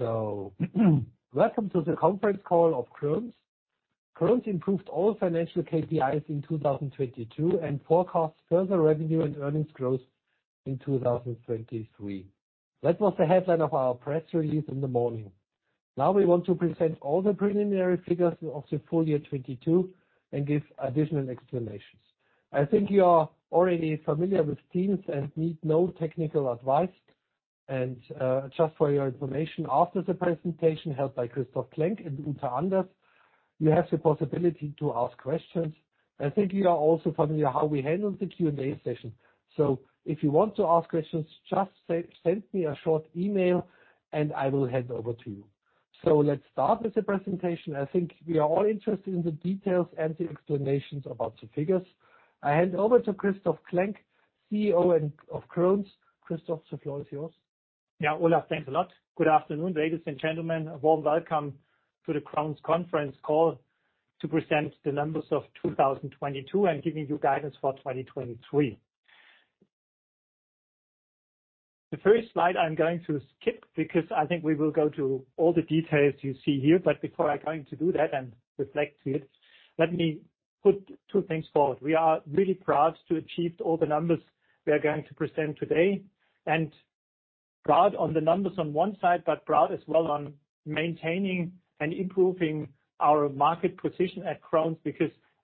Welcome to the conference call of Krones. Krones improved all financial KPIs in 2022 and forecasts further revenue and earnings growth in 2023. That was the headline of our press release in the morning. Now we want to present all the preliminary figures of the full year '22 and give additional explanations. I think you are already familiar with Teams and need no technical advice. Just for your information, after the presentation held by Christoph Klenk and Uta Anders, you have the possibility to ask questions. I think you are also familiar how we handle the Q&A session. If you want to ask questions, just send me a short email, and I will hand over to you. Let's start with the presentation. I think we are all interested in the details and the explanations about the figures. I hand over to Christoph Klenk, CEO of Krones. Christoph, the floor is yours. Yeah, Olaf, thanks a lot. Good afternoon, ladies and gentlemen. A warm welcome to the Krones conference call to present the numbers of 2022 and giving you guidance for 2023. The first slide I'm going to skip because I think we will go to all the details you see here. Before I going to do that and reflect to it, let me put two things forward. We are really proud to achieve all the numbers we are going to present today, and proud on the numbers on one side, but proud as well on maintaining and improving our market position at Krones.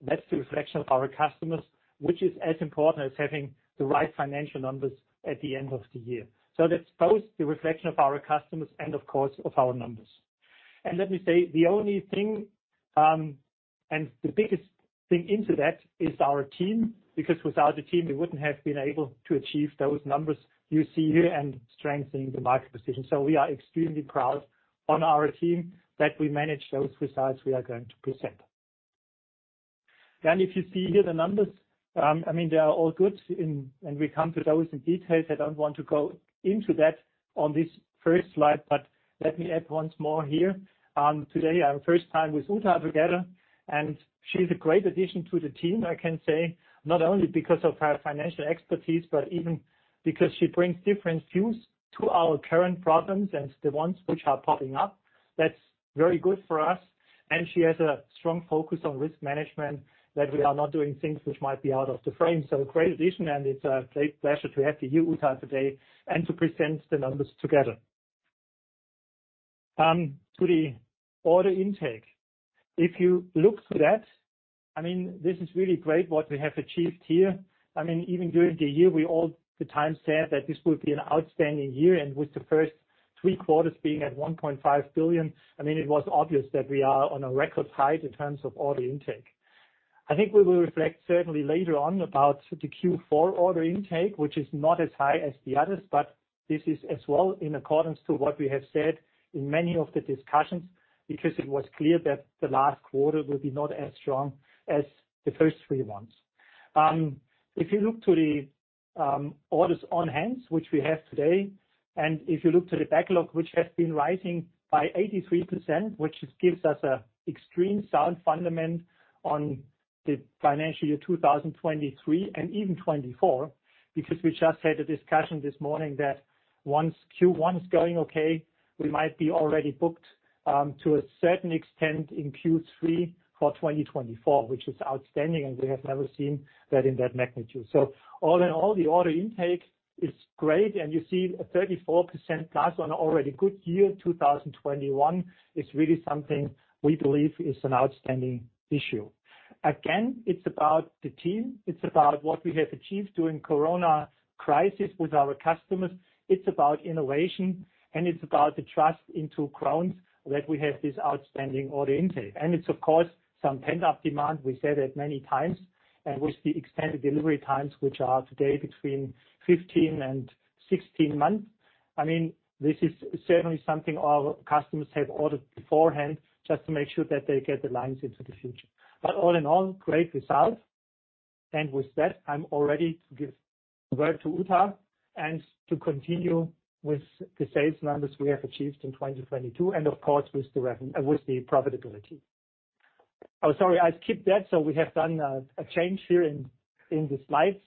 That's the reflection of our customers, which is as important as having the right financial numbers at the end of the year. That's both the reflection of our customers and of course, of our numbers. Let me say the only thing, and the biggest thing into that is our team, because without the team, we wouldn't have been able to achieve those numbers you see here and strengthening the market position. We are extremely proud on our team that we manage those results we are going to present. If you see here the numbers, I mean, they are all good and we come to those in details. I don't want to go into that on this first slide, let me add once more here. Today, I'm first time with Uta together, and she's a great addition to the team, I can say, not only because of her financial expertise, but even because she brings different views to our current problems and the ones which are popping up. That's very good for us. She has a strong focus on risk management that we are not doing things which might be out of the frame. Great addition, and it's a great pleasure to have you, Uta, today and to present the numbers together. To the order intake. If you look to that, I mean, this is really great what we have achieved here. I mean, even during the year, we all the time said that this would be an outstanding year, and with the first three quarters being at 1.5 billion, I mean, it was obvious that we are on a record height in terms of order intake. I think we will reflect certainly later on about the Q4 order intake, which is not as high as the others, but this is as well in accordance to what we have said in many of the discussions, because it was clear that the last quarter will be not as strong as the first three ones. If you look to the orders on hand, which we have today, and if you look to the backlog, which has been rising by 83%, which gives us a extreme sound fundament on the financial year 2023 and even 2024, because we just had a discussion this morning that once Q1 is going okay, we might be already booked to a certain extent in Q3 for 2024, which is outstanding, and we have never seen that in that magnitude. All in all, the order intake is great, and you see a 34% plus on already good year, 2021, is really something we believe is an outstanding issue. Again, it's about the team. It's about what we have achieved during corona crisis with our customers. It's about innovation, and it's about the trust into Krones that we have this outstanding order intake. It's of course, some pent-up demand. We said it many times. With the extended delivery times, which are today between 15 and 16 months, I mean, this is certainly something our customers have ordered beforehand just to make sure that they get the lines into the future. All in all, great result. With that, I'm all ready to give the word to Uta and to continue with the sales numbers we have achieved in 2022 and of course, with the profitability. Oh, sorry, I skipped that. We have done a change here in the slides.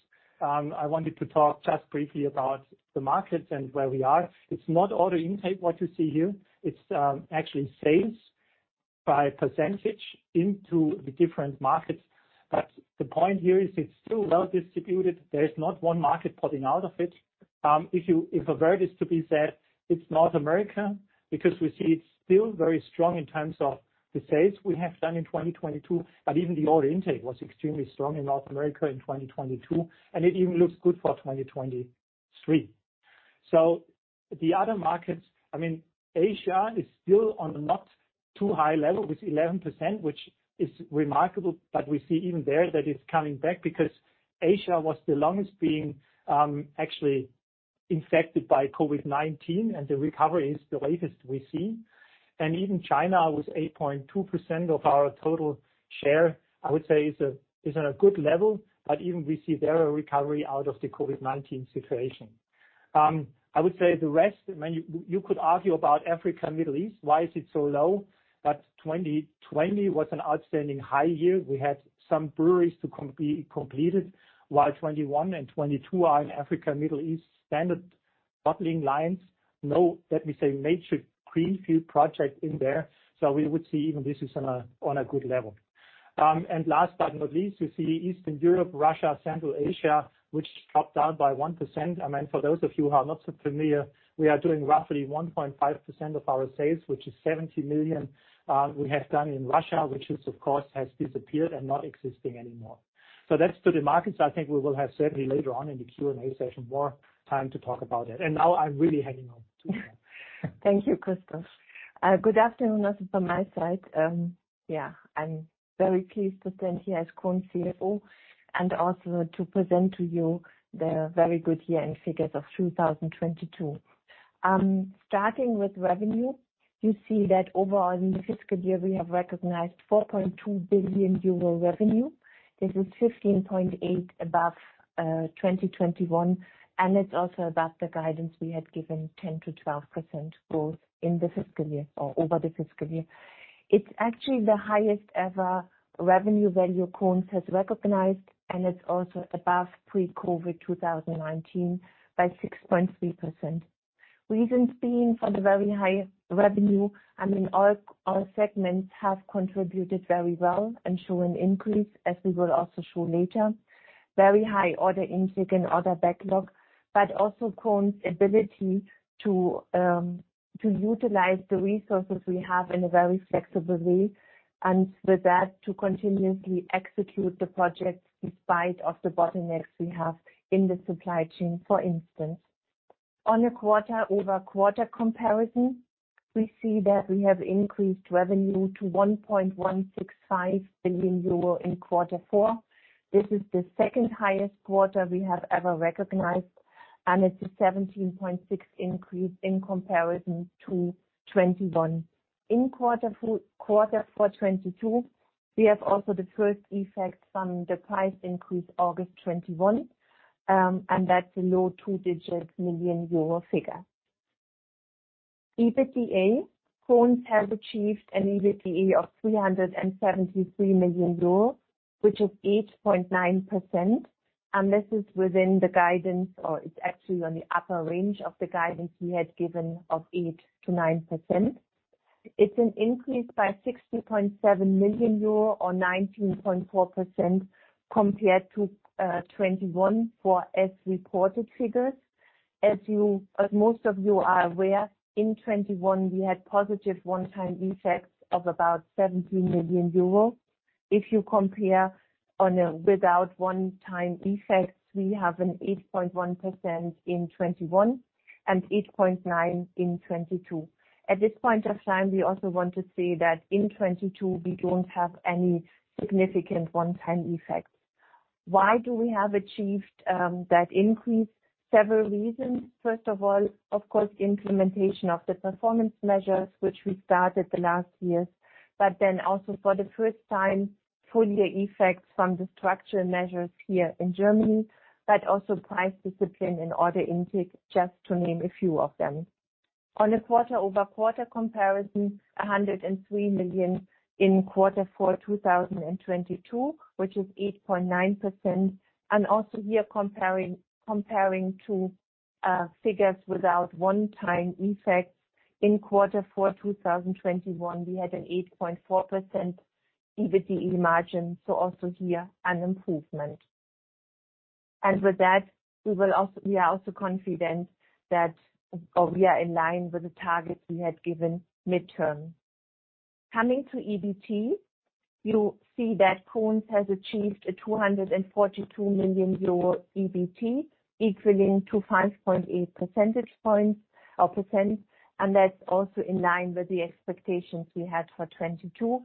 I wanted to talk just briefly about the markets and where we are. It's not order intake, what you see here. It's actually sales by percentage into the different markets. The point here is it's still well distributed. There is not one market popping out of it. If a word is to be said, it's North America, because we see it's still very strong in terms of the sales we have done in 2022, but even the order intake was extremely strong in North America in 2022, and it even looks good for 2023. The other markets, I mean, Asia is still on a not too high level with 11%, which is remarkable, but we see even there that it's coming back because Asia was the longest being actually infected by COVID-19, and the recovery is the latest we see. Even China, with 8.2% of our total share, I would say is at a good level, but even we see there a recovery out of the COVID-19 situation. I would say the rest, you could argue about Africa and Middle East, why is it so low? 2020 was an outstanding high year. We had some breweries to be completed, while 2021 and 2022 are Africa and Middle East standard bottling lines. Let me say, major greenfield project in there. We would see even this is on a good level. Last but not least, you see Eastern Europe, Russia, Central Asia, which dropped down by 1%. For those of you who are not so familiar, we are doing roughly 1.5% of our sales, which is 70 million, we have done in Russia, which is of course has disappeared and not existing anymore. That's to the markets. I think we will have certainly later on in the Q&A session, more time to talk about it. Now I'm really hanging on to you. Thank you, Christoph. Good afternoon also from my side. I'm very pleased to stand here as Krones CFO and also to present to you the very good year-end figures of 2022. Starting with revenue, you see that overall in the fiscal year, we have recognized 4.2 billion euro revenue. This is 15.8% above 2021, and it's also above the guidance we had given 10%-12% growth in the fiscal year or over the fiscal year. It's actually the highest ever revenue value Krones has recognized, and it's also above pre-COVID 2019 by 6.3%. Reasons being for the very high revenue, I mean, all segments have contributed very well and show an increase, as we will also show later. Very high order intake and order backlog, but also Krones' ability to utilize the resources we have in a very flexible way, and with that, to continuously execute the projects despite of the bottlenecks we have in the supply chain, for instance. On a quarter-over-quarter comparison, we see that we have increased revenue to 1.165 billion euro in quarter four. This is the second highest quarter we have ever recognized, and it's a 17.6% increase in comparison to 2021. In quarter for 2022, we have also the first effect from the price increase August 2021, and that's a low two-digit million euro figure. EBITDA. Krones has achieved an EBITDA of 373 million euros, which is 8.9%. This is within the guidance, or it's actually on the upper range of the guidance we had given of 8%-9%. It's an increase by 60.7 million euro or 19.4% compared to 2021 for as-reported figures. As most of you are aware, in 2021 we had positive one-time effects of about 17 million euros. If you compare on a without one-time effects, we have an 8.1% in 2021 and 8.9% in 2022. At this point of time, we also want to say that in 2022 we don't have any significant one-time effects. Why do we have achieved that increase? Several reasons. First of all, of course, the implementation of the performance measures, which we started the last years. Also for the first time, full year effects from the structure measures here in Germany, but also price discipline and order intake, just to name a few of them. On a quarter-over-quarter comparison, 103 million in Q4 2022, which is 8.9%. Also here comparing to figures without one-time effects. In Q4 2021, we had an 8.4% EBITDA margin, so also here an improvement. With that, we are also confident that, or we are in line with the targets we had given midterm. Coming to EBT, you see that Krones has achieved a 242 million euro EBT, equaling to 5.8 percentage points or %, that's also in line with the expectations we had for 2022.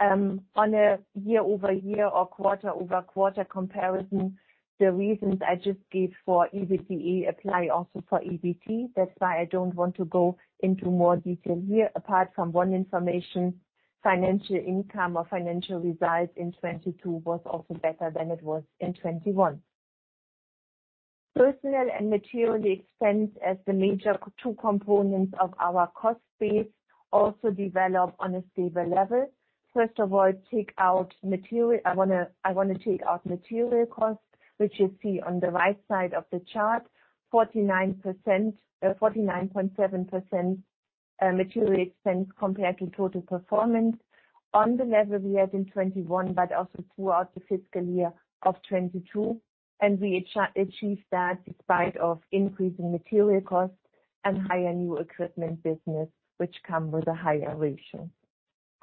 On a year-over-year or quarter-over-quarter comparison, the reasons I just gave for EBCE apply also for EBT. That's why I don't want to go into more detail here, apart from one information, financial income or financial results in 2022 was also better than it was in 2021. Personnel and material expense as the major two components of our cost base also develop on a stable level. First of all, take out material. I wanna take out material costs, which you see on the right side of the chart. 49%, 49.7% material expense compared to total performance on the level we had in 2021, also throughout the fiscal year of 2022. We achieve that despite of increasing material costs and higher new equipment business, which come with a higher ratio.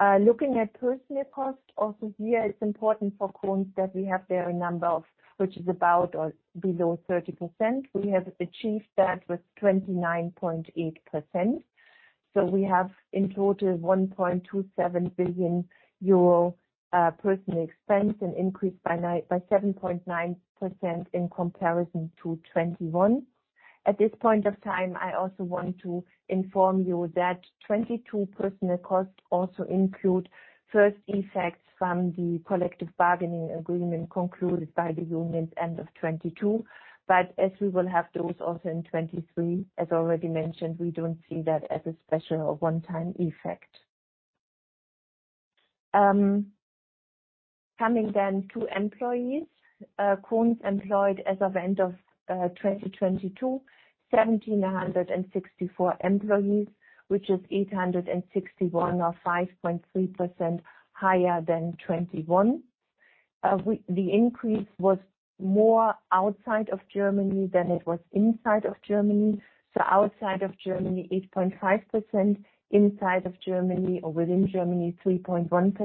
Looking at personnel costs, also here it's important for Krones that we have their number, which is about or below 30%. We have achieved that with 29.8%. We have in total 1.27 billion euro personnel expense, an increase by 7.9% in comparison to 2021. At this point of time, I also want to inform you that 2022 personnel costs also include first effects from the collective bargaining agreement concluded by the unions end of 2022. As we will have those also in 2023, as already mentioned, we don't see that as a special or one-time effect. Coming then to employees. Krones employed as of end of 2022, 1,764 employees, which is 861 or 5.3% higher than 2021. The increase was more outside of Germany than it was inside of Germany. Outside of Germany, 8.5%, inside of Germany or within Germany, 3.1%.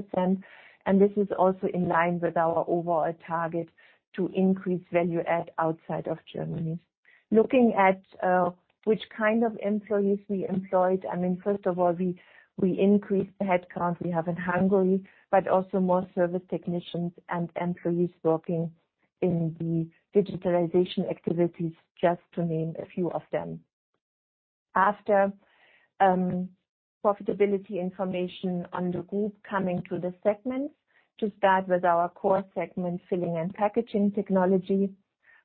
This is also in line with our overall target to increase value add outside of Germany. Looking at which kind of employees we employed, I mean, first of all, we increased the headcount we have in Hungary, but also more service technicians and employees working in the digitalization activities, just to name a few of them. After profitability information on the group coming to the segments. To start with our core segment, Filling and Packaging Technology.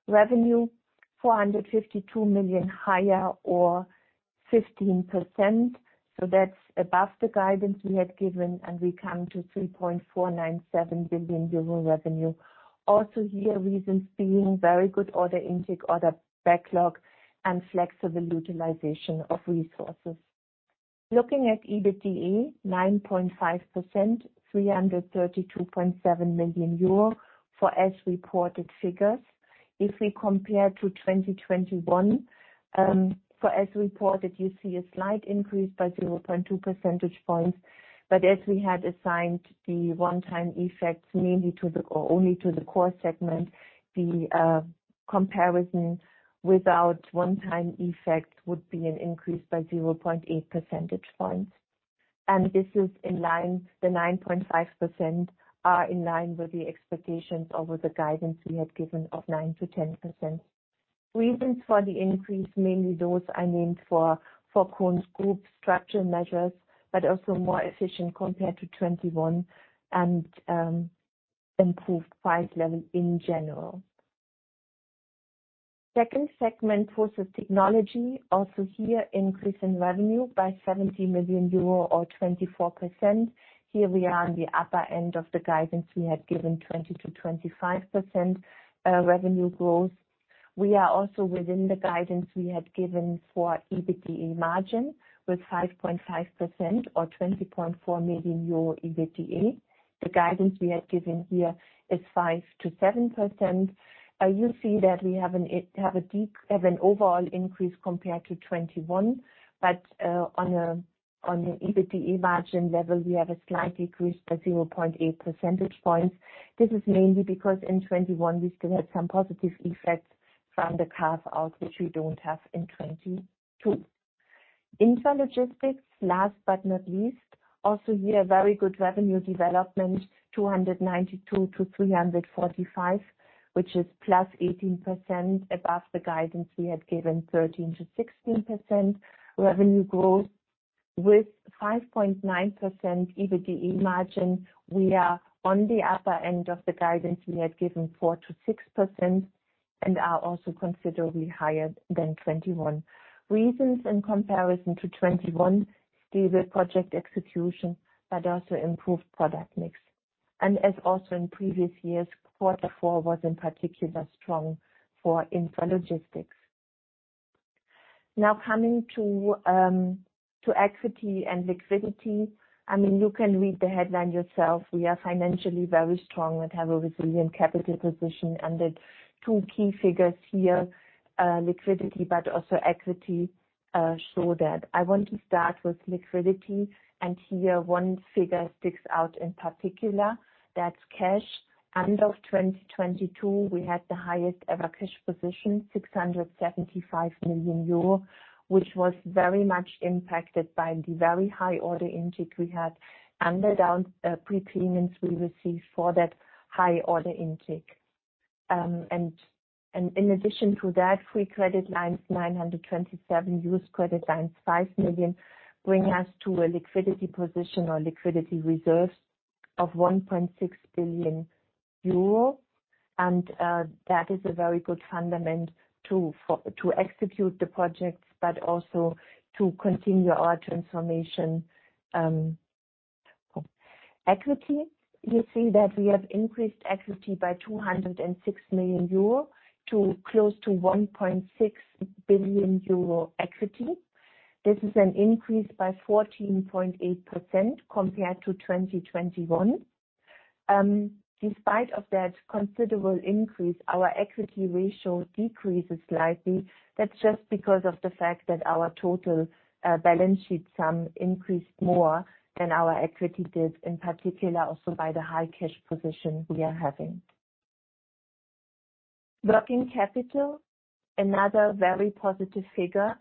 Revenue 452 million higher or 15%. That's above the guidance we had given, and we come to 3.497 billion euro revenue. Also here reasons being very good order intake, order backlog, and flexible utilization of resources. Looking at EBITDA, 9.5%, 332.7 million euro for as-reported figures. If we compare to 2021, for as reported, you see a slight increase by 0.2 percentage points. As we had assigned the one-time effects mainly or only to the core segment, the comparison without one-time effects would be an increase by 0.8 percentage points. This is in line, the 9.5% are in line with the expectations or with the guidance we had given of 9%-10%. Reasons for the increase, mainly those I named for Krones group structure measures, but also more efficient compared to 2021 and improved price level in general. Second segment, Process Technology. Here, increase in revenue by 70 million euro or 24%. Here we are in the upper end of the guidance we had given, 20%-25% revenue growth. We are also within the guidance we had given for EBITDA margin with 5.5% or 20.4 million euro EBITDA. The guidance we had given here is 5%-7%. You see that we have an overall increase compared to 2021. On the EBITDA margin level, we have a slight decrease by 0.8 percentage points. This is mainly because in 2021 we still had some positive effects from the carve-out, which we don't have in 2022. Intralogistics, last but not least. Very good revenue development, 292 to 345, which is +18% above the guidance we had given, 13%-16% revenue growth. With 5.9% EBITDA margin, we are on the upper end of the guidance we had given, 4%-6%, and are also considerably higher than 2021. Reasons in comparison to 2021, these are project execution, also improved product mix. As also in previous years, quarter four was in particular strong for Intralogistics. Coming to equity and liquidity. I mean, you can read the headline yourself. We are financially very strong and have a resilient capital position. The two key figures here, liquidity, but also equity, show that. I want to start with liquidity. Here one figure sticks out in particular. That's cash. End of 2022, we had the highest ever cash position, 675 million euro, which was very much impacted by the very high order intake we had and the prepayments we received for that high order intake. In addition to that, free credit lines, 927 million, used credit lines, 5 million, bring us to a liquidity position or liquidity reserve of 1.6 billion euro. That is a very good fundament to execute the projects, but also to continue our transformation. Equity. You see that we have increased equity by 206 million euro to close to 1.6 billion euro equity. This is an increase by 14.8% compared to 2021. Despite of that considerable increase, our equity ratio decreases slightly. That's just because of the fact that our total balance sheet sum increased more than our equity did, in particular also by the high cash position we are having. Working capital, another very positive figure.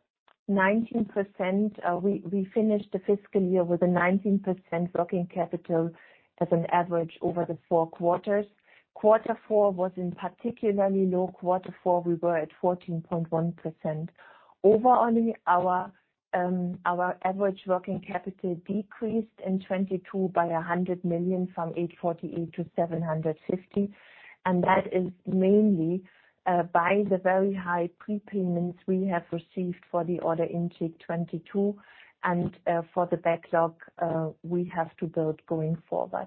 19%, we finished the fiscal year with a 19% working capital as an average over the four quarters. Quarter four was in particularly low. Quarter four we were at 14.1%. Overall, our average working capital decreased in 2022 by 100 million from 848 million to 750 million. That is mainly by the very high prepayments we have received for the order intake 2022 and for the backlog we have to build going forward.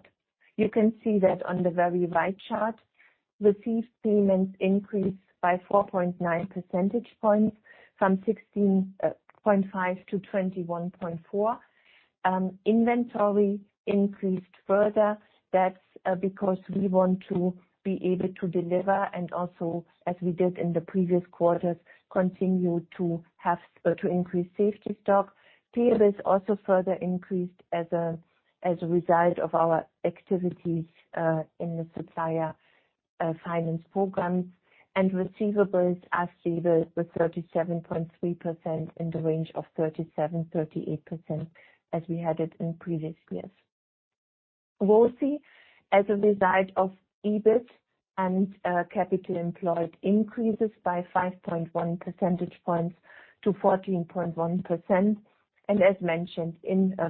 You can see that on the very right chart. Received payments increased by 4.9 percentage points from 16.5- 21.4. Inventory increased further. That's because we want to be able to deliver and also, as we did in the previous quarters, continue to increase safety stock. Payables also further increased as a result of our activities in the supplier finance program. Receivables, as stated, with 37.3% in the range of 37%-38% as we had it in previous years. ROCE, as a result of EBIT and capital employed, increases by 5.1 percentage points to 14.1%. As mentioned,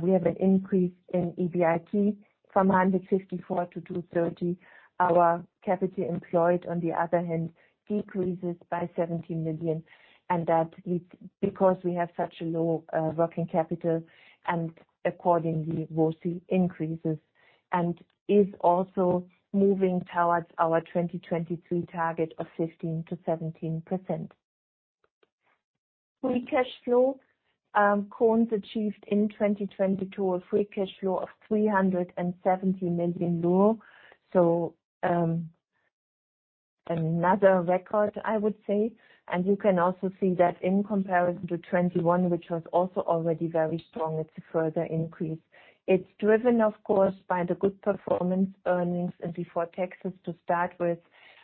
we have an increase in EBIT from 154 to 230. Our capital employed, on the other hand, decreases by 70 million, and that is because we have such a low working capital and accordingly, ROCE increases and is also moving towards our 2023 target of 15%-17%. Free cash flow, Krones achieved in 2022 a free cash flow of 370 million euro. Another record, I would say. You can also see that in comparison to 2021, which was also already very strong, it's a further increase. It's driven, of course, by the good performance earnings and before taxes to start with,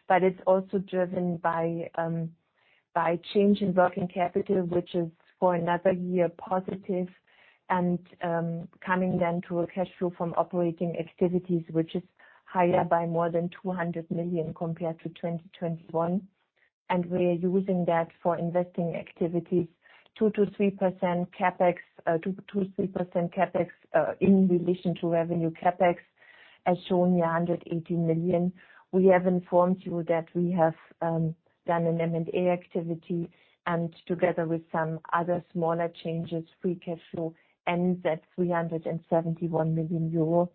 but it's also driven by change in working capital, which is for another year positive. Coming then to a cash flow from operating activities, which is higher by more than 200 million compared to 2021, and we are using that for investing activities, 2%-3% CapEx, in relation to revenue CapEx, as shown here, 180 million. We have informed you that we have done an M&A activity, and together with some other smaller changes, free cash flow ends at 371 million euros.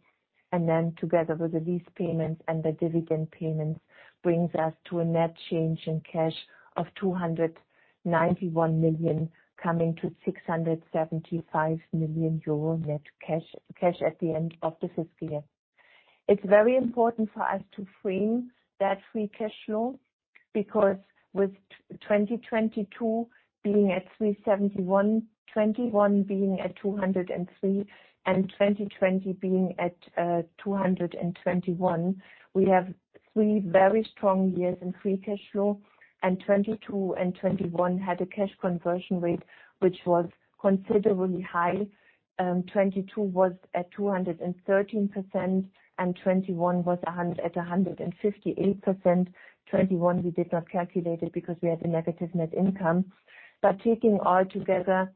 Together with the lease payments and the dividend payments, brings us to a net change in cash of 291 million, coming to 675 million euro net cash at the end of the 5th year. It's very important for us to frame that free cash flow because with 2022 being at 371 million, 2021 being at 203 million, and 2020 being at 221 million, we have three very strong years in free cash flow. 2022 and 2021 had a cash conversion rate which was considerably high. 2022 was at 213%, and 2021 was at 158%. 2021 we did not calculate it because we had a negative net income. Taking all together,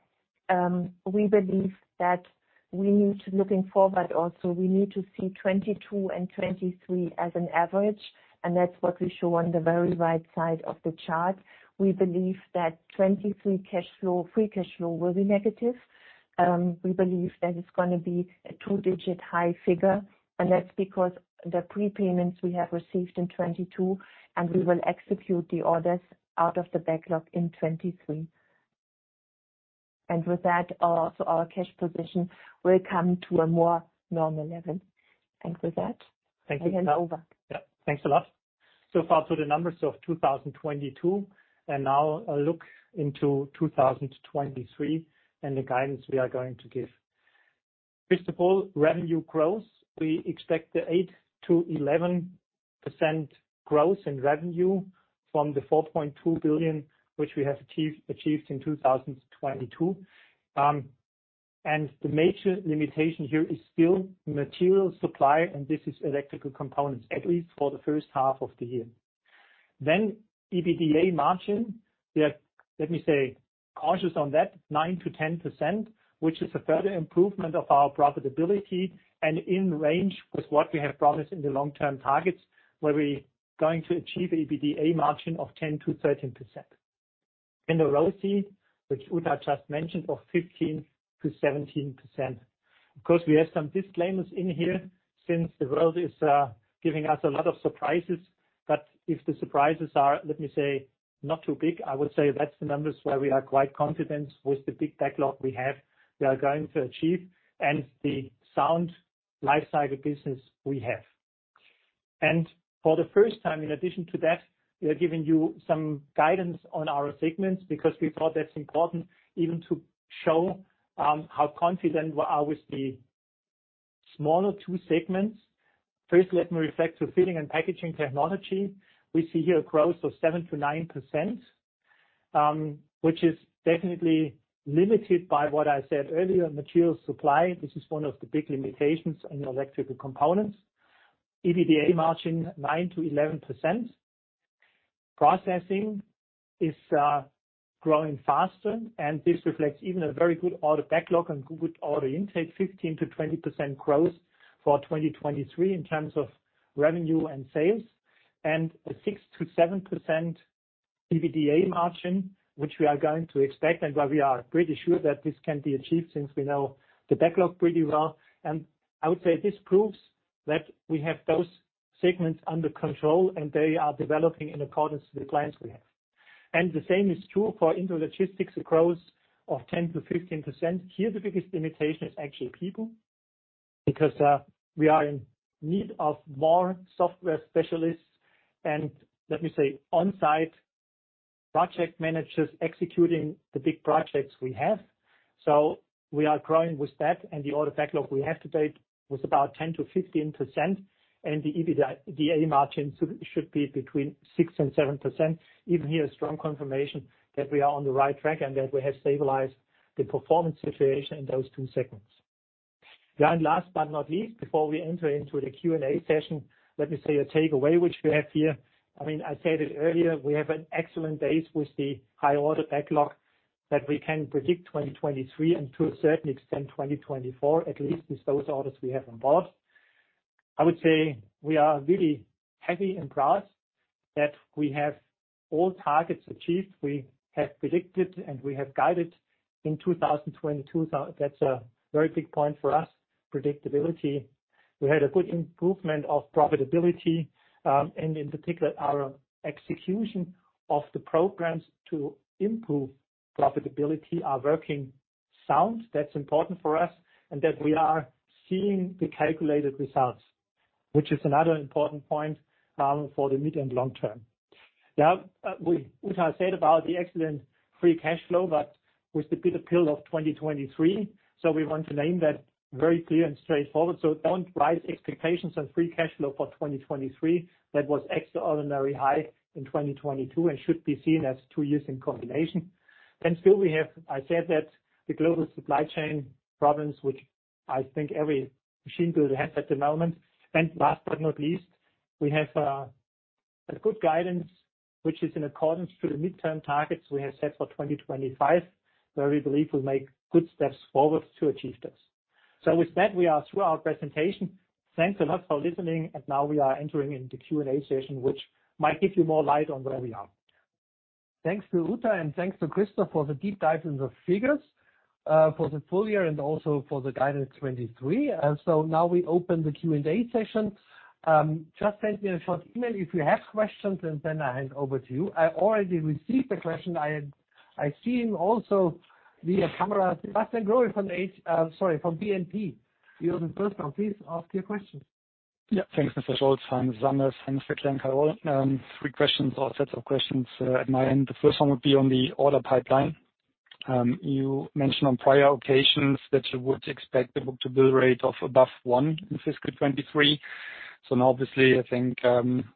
we believe that looking forward also, we need to see 2022 and 2023 as an average, and that's what we show on the very right side of the chart. We believe that 2023 cash flow, free cash flow will be negative. We believe that it's gonna be a two-digit high figure, and that's because the prepayments we have received in 2022, and we will execute the orders out of the backlog in 2023. With that, so our cash position will come to a more normal level. With that- Thank you. I hand over. Yeah. Thanks a lot. So far, so the numbers of 2022, and now a look into 2023 and the guidance we are going to give. First of all, revenue growth. We expect 8%-11% growth in revenue from the 4.2 billion which we have achieved in 2022. The major limitation here is still material supply, and this is electrical components, at least for the first half of the year. EBITDA margin. We are, let me say, cautious on that, 9%-10%, which is a further improvement of our profitability and in range with what we have promised in the long-term targets, where we're going to achieve EBITDA margin of 10%-13%. The ROCE, which Uta just mentioned, of 15%-17%. Of course, we have some disclaimers in here since the world is giving us a lot of surprises. If the surprises are, let me say, not too big, I would say that's the numbers where we are quite confident with the big backlog we have, we are going to achieve, and the sound Lifecycle business we have. For the first time, in addition to that, we are giving you some guidance on our segments because we thought that's important even to show how confident we are with the smaller two segments. First, let me reflect to Filling and Packaging Technology. We see here a growth of 7%-9%, which is definitely limited by what I said earlier, material supply. This is one of the big limitations in electrical components. EBITDA margin, 9%-11%. Processing is growing faster. This reflects even a very good order backlog and good order intake, 15%-20% growth for 2023 in terms of revenue and sales, and a 6%-7% EBITDA margin, which we are going to expect and where we are pretty sure that this can be achieved since we know the backlog pretty well. I would say this proves that we have those segments under control, and they are developing in accordance to the plans we have. The same is true for intralogistics, a growth of 10%-15%. Here, the biggest limitation is actually people, because we are in need of more software specialists and, let me say, on-site project managers executing the big projects we have. We are growing with that, the order backlog we have today was about 10%-15%, and the EBITDA margin should be between 6% and 7%. Even here, strong confirmation that we are on the right track and that we have stabilized the performance situation in those two segments. Last but not least, before we enter into the Q&A session, let me say a takeaway which we have here. I mean, I said it earlier, we have an excellent base with the high order backlog that we can predict 2023 and to a certain extent 2024, at least with those orders we have on board. I would say we are really happy and proud that we have all targets achieved. We have predicted, and we have guided in 2022. That's a very big point for us, predictability. We had a good improvement of profitability. In particular, our execution of the programs to improve profitability are working sound. That's important for us. That we are seeing the calculated results, which is another important point for the mid and long term. Now, Uta said about the excellent free cash flow, but with the bitter pill of 2023. We want to name that very clear and straightforward. Don't rise expectations on free cash flow for 2023. That was extraordinary high in 2022 and should be seen as two years in combination. Still, I said that the global supply chain problems, which I think every machine builder has at the moment. Last but not least, we have a good guidance, which is in accordance to the midterm targets we have set for 2025, where we believe we'll make good steps forward to achieve this. With that, we are through our presentation. Thanks a lot for listening. Now we are entering in the Q&A session, which might give you more light on where we are. Thanks to Uta and thanks to Christoph for the deep dive in the figures for the full year and also for the guidance 23. Now we open the Q&A session. Just send me a short email if you have questions, and then I hand over to you. I already received a question. I seen also via camera, Sebastian Growitz, sorry, from BNP. You are the first one. Please ask your question. Yeah. Thanks, Mr. Scholz. Hi, this is Anders. Thanks for clearing that all. Three questions or sets of questions at my end. The first one would be on the order pipeline. You mentioned on prior occasions that you would expect the book-to-bill rate of above one in fiscal 23. Obviously I think,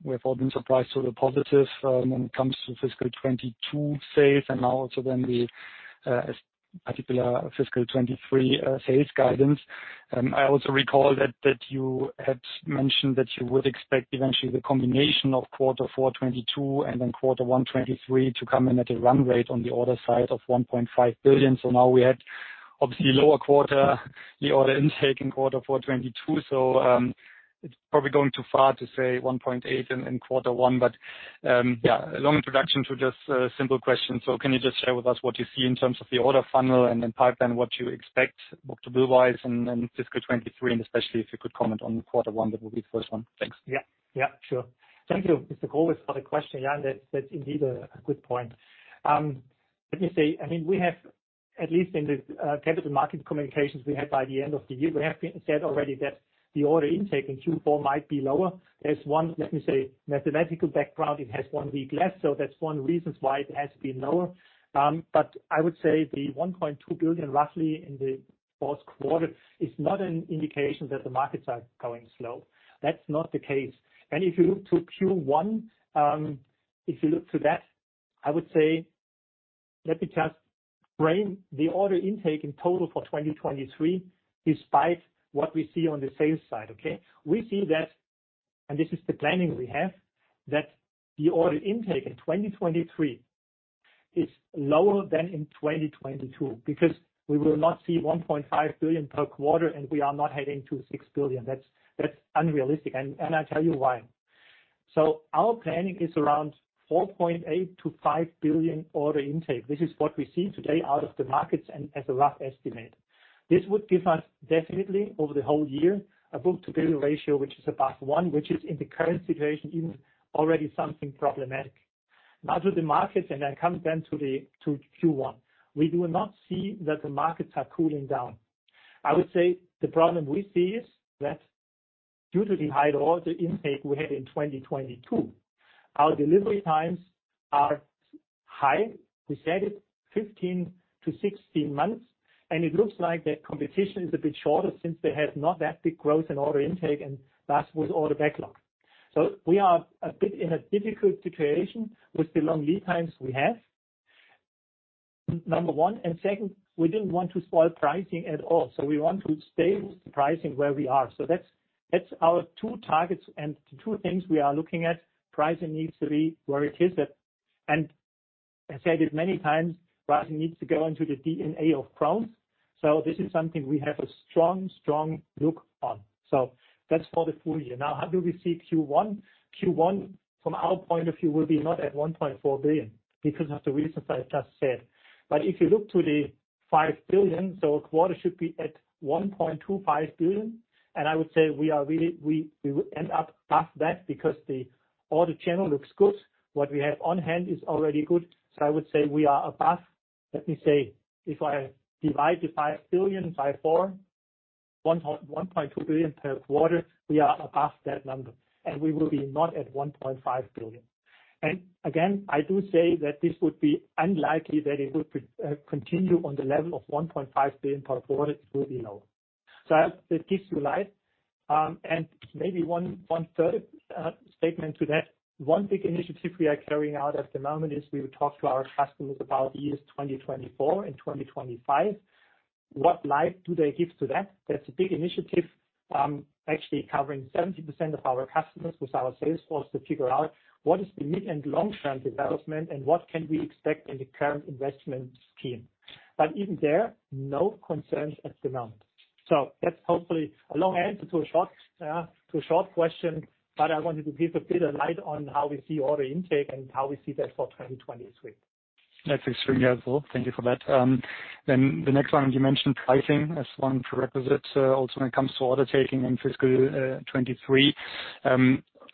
we have all been surprised to the positive, when it comes to fiscal 22 sales and now also then the particular fiscal 23 sales guidance. I also recall that you had mentioned that you would expect eventually the combination of quarter four 22 and then quarter one 23 to come in at a run rate on the order side of 1.5 billion. We had obviously lower quarter, the order intake in quarter four 22. It's probably going too far to say 1.8 in quarter one. A long introduction to just a simple question. Can you just share with us what you see in terms of the order funnel and then pipeline, what you expect book-to-bill-wise in fiscal 23? Especially if you could comment on quarter one, that will be the first one. Thanks. Yeah. Yeah, sure. Thank you, Sebastian Growe, for the question. Yeah, that's indeed a good point. Let me see. I mean, we have, at least in the capital market communications we had by the end of the year, we have been said already that the order intake in Q4 might be lower. There's one, let me say, mathematical background. It has one week less, so that's one of the reasons why it has been lower. I would say the 1.2 billion roughly in the fourth quarter is not an indication that the markets are going slow. That's not the case. If you look to Q1, if you look to that, I would say, let me just frame the order intake in total for 2023, despite what we see on the sales side. Okay? We see that, this is the planning we have, that the order intake in 2023 is lower than in 2022 because we will not see 1.5 billion per quarter and we are not heading to 6 billion. That's, that's unrealistic. I tell you why. Our planning is around 4.8 billion-5 billion order intake. This is what we see today out of the markets and as a rough estimate. This would give us definitely over the whole year a book-to-bill ratio which is above one, which is in the current situation even already something problematic. To the markets, I come then to the, to Q1. We do not see that the markets are cooling down. I would say the problem we see is that due to the high order intake we had in 2022, our delivery times are high. We said it, 15months-16 months. It looks like the competition is a bit shorter since they had not that big growth in order intake and thus with order backlog. We are a bit in a difficult situation with the long lead times we have, number one. Second, we didn't want to spoil pricing at all. We want to stay with the pricing where we are. That's our two targets and the two things we are looking at. Pricing needs to be where it is at. I said it many times, pricing needs to go into the DNA of Krones. This is something we have a strong look on. That's for the full year. How do we see Q1? Q1 from our point of view, will be not at 1.4 billion because of the reasons I just said. If you look to the 5 billion, quarter should be at 1.25 billion, and I would say we really would end up above that because the order channel looks good. What we have on hand is already good. I would say we are above, let me say, if I divide the 5 billion by four, 1.2 billion per quarter, we are above that number, and we will be not at 1.5 billion. Again, I do say that this would be unlikely that it would continue on the level of 1.5 billion per quarter. It will be lower. I hope that gives you light. Maybe one third statement to that. One big initiative we are carrying out at the moment is we will talk to our customers about years 2024 and 2025. What life do they give to that? That's a big initiative, actually covering 70% of our customers with our sales force to figure out what is the mid and long-term development and what can we expect in the current investment scheme. Even there, no concerns at the moment. That's hopefully a long answer to a short question, but I wanted to give a bit of light on how we see order intake and how we see that for 2023. That's extremely helpful. Thank you for that. The next one, you mentioned pricing as one prerequisite, also when it comes to order taking in fiscal 23.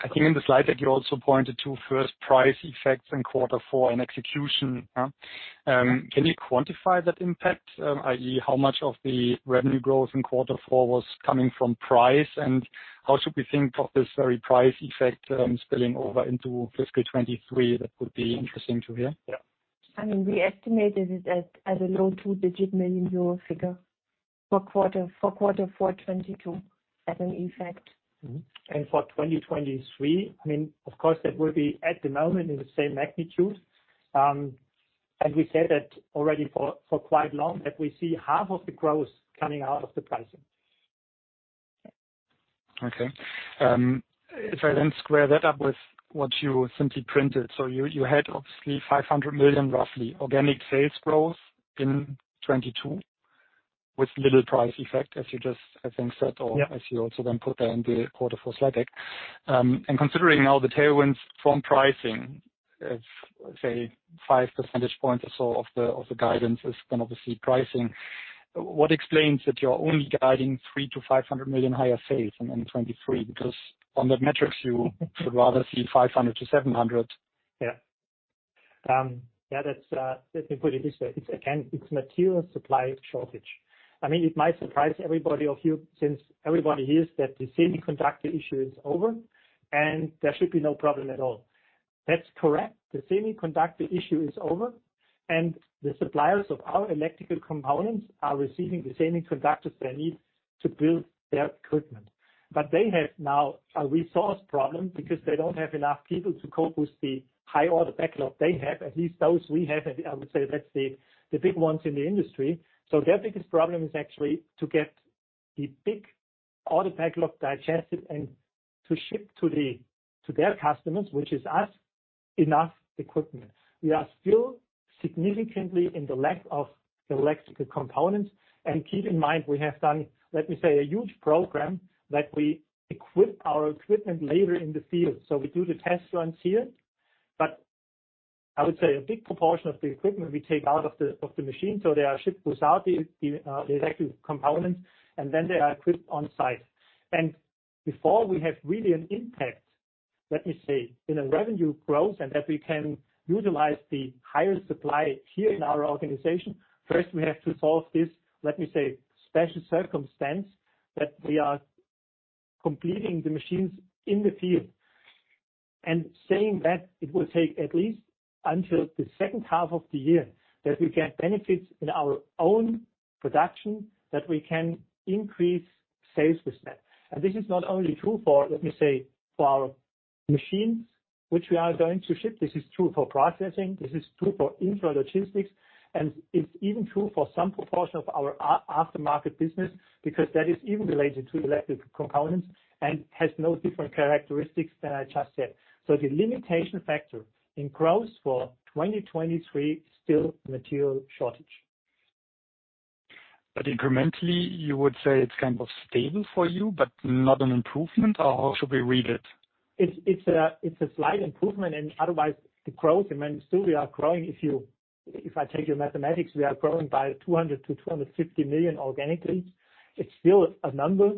I think in the slide deck, you also pointed to first price effects in Q4 and execution. Can you quantify that impact? i.e. how much of the revenue growth in Q4 was coming from price, and how should we think of this very price effect, spilling over into fiscal 23? That would be interesting to hear. Yeah. I mean, we estimated it at a low EUR two-digit million figure for quarter four 2022 as an effect. For 2023, I mean, of course that will be at the moment in the same magnitude. We said that already for quite long, that we see half of the growth coming out of the pricing. Okay. If I then square that up with what you simply printed, so you had obviously 500 million roughly organic sales growth in 2022 with little price effect, as you just I think said. Yeah. as you also then put there in the Q4 slide deck. Considering all the tailwinds from pricing of, say, five percentage points or so of the, of the guidance is then obviously pricing. What explains that you're only guiding 300 million-500 million higher sales in 2023? On that metric, you would rather see 500 million-700 million. That's, let me put it this way. It's again, it's material supply shortage. I mean, it might surprise everybody of you since everybody hears that the semiconductor issue is over and there should be no problem at all. That's correct. The semiconductor issue is over, and the suppliers of our electrical components are receiving the semiconductors they need to build their equipment. They have now a resource problem because they don't have enough people to cope with the high order backlog they have, at least those we have. I would say that's the big ones in the industry. Their biggest problem is actually to get the big order backlog digested and to ship to their customers, which is us, enough equipment. We are still significantly in the lack of electrical components. Keep in mind, we have done, let me say, a huge program that we equip our equipment later in the field. We do the test runs here, but I would say a big proportion of the equipment we take out of the machine, so they are shipped without the electrical components, and then they are equipped on-site. Before we have really an impact, let me say, in a revenue growth and that we can utilize the higher supply here in our organization, first we have to solve this, let me say, special circumstance that we are completing the machines in the field. Saying that it will take at least until the second half of the year that we get benefits in our own production, that we can increase sales with that. This is not only true for, let me say, for our machines which we are going to ship. This is true for processing, this is true for intralogistics, and it's even true for some proportion of our aftermarket business because that is even related to electrical components and has no different characteristics than I just said. The limitation factor in growth for 2023, still material shortage. Incrementally, you would say it's kind of stable for you, but not an improvement, or how should we read it? It's a slight improvement. Otherwise, the growth, I mean, still we are growing. If I take your mathematics, we are growing by 200 million-250 million organically. It's still a number,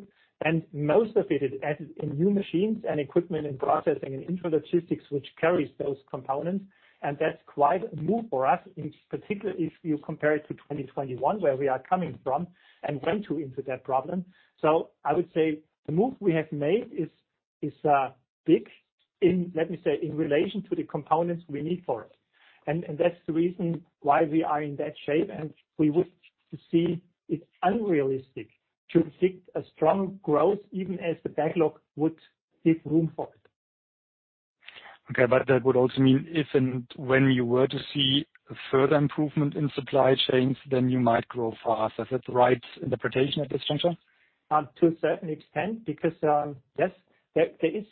and most of it is added in new machines and equipment and processing and intralogistics which carries those components. That's quite a move for us, in particular, if you compare it to 2021, where we are coming from and went into that problem. I would say the move we have made is big in, let me say, in relation to the components we need for it. That's the reason why we are in that shape, and we would see it's unrealistic to seek a strong growth even as the backlog would give room for it. Okay. That would also mean if and when you were to see a further improvement in supply chains, then you might grow faster. Is that the right interpretation of this, Gunther? To a certain extent, because, yes, there is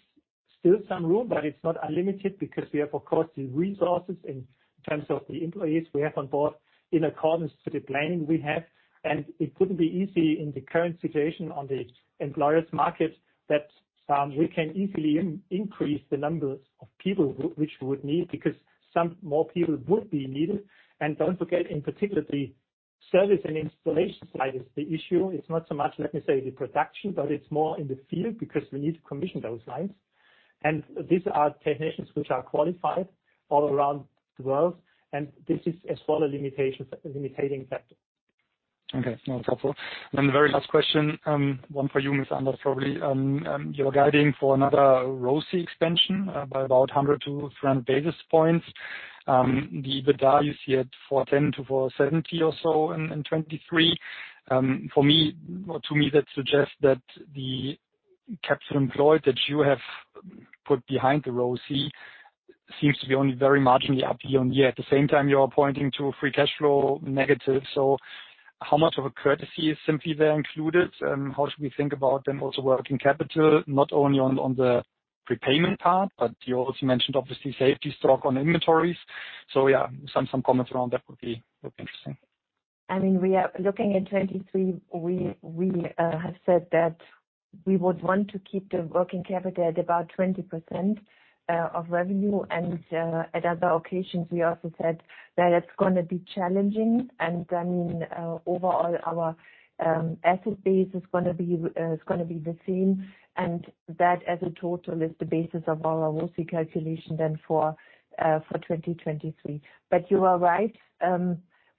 still some room, but it's not unlimited because we have, of course, the resources in terms of the employees we have on board in accordance to the planning we have. It couldn't be easy in the current situation on the employers market that we can easily increase the numbers of people which would need, because some more people would be needed. Don't forget, in particular, the service and installation side is the issue. It's not so much, let me say, the production, but it's more in the field because we need to commission those lines. These are technicians which are qualified all around the world, and this is as well a limitation, limiting factor. Okay. No, that's helpful. The very last question, one for you, Miss Anders, probably. You're guiding for another ROCE extension by about 100 basis points-200 basis points. The EBITDA, you see it 410 million-470 million or so in 2023. To me, that suggests that the capital employed that you have put behind the ROCE seems to be only very marginally up year-on-year. At the same time, you are pointing to a free cash flow negative. How much of a courtesy is simply there included? How should we think about then also working capital, not only on the prepayment part, but you also mentioned, obviously, safety stock on inventories. Yeah, some comments around that would be interesting. I mean, we are looking in 2023, we have said that we would want to keep the working capital at about 20% of revenue. At other occasions, we also said that it's going to be challenging. Overall, our asset base is going to be the same, and that as a total is the basis of our ROCE calculation then for 2023. You are right.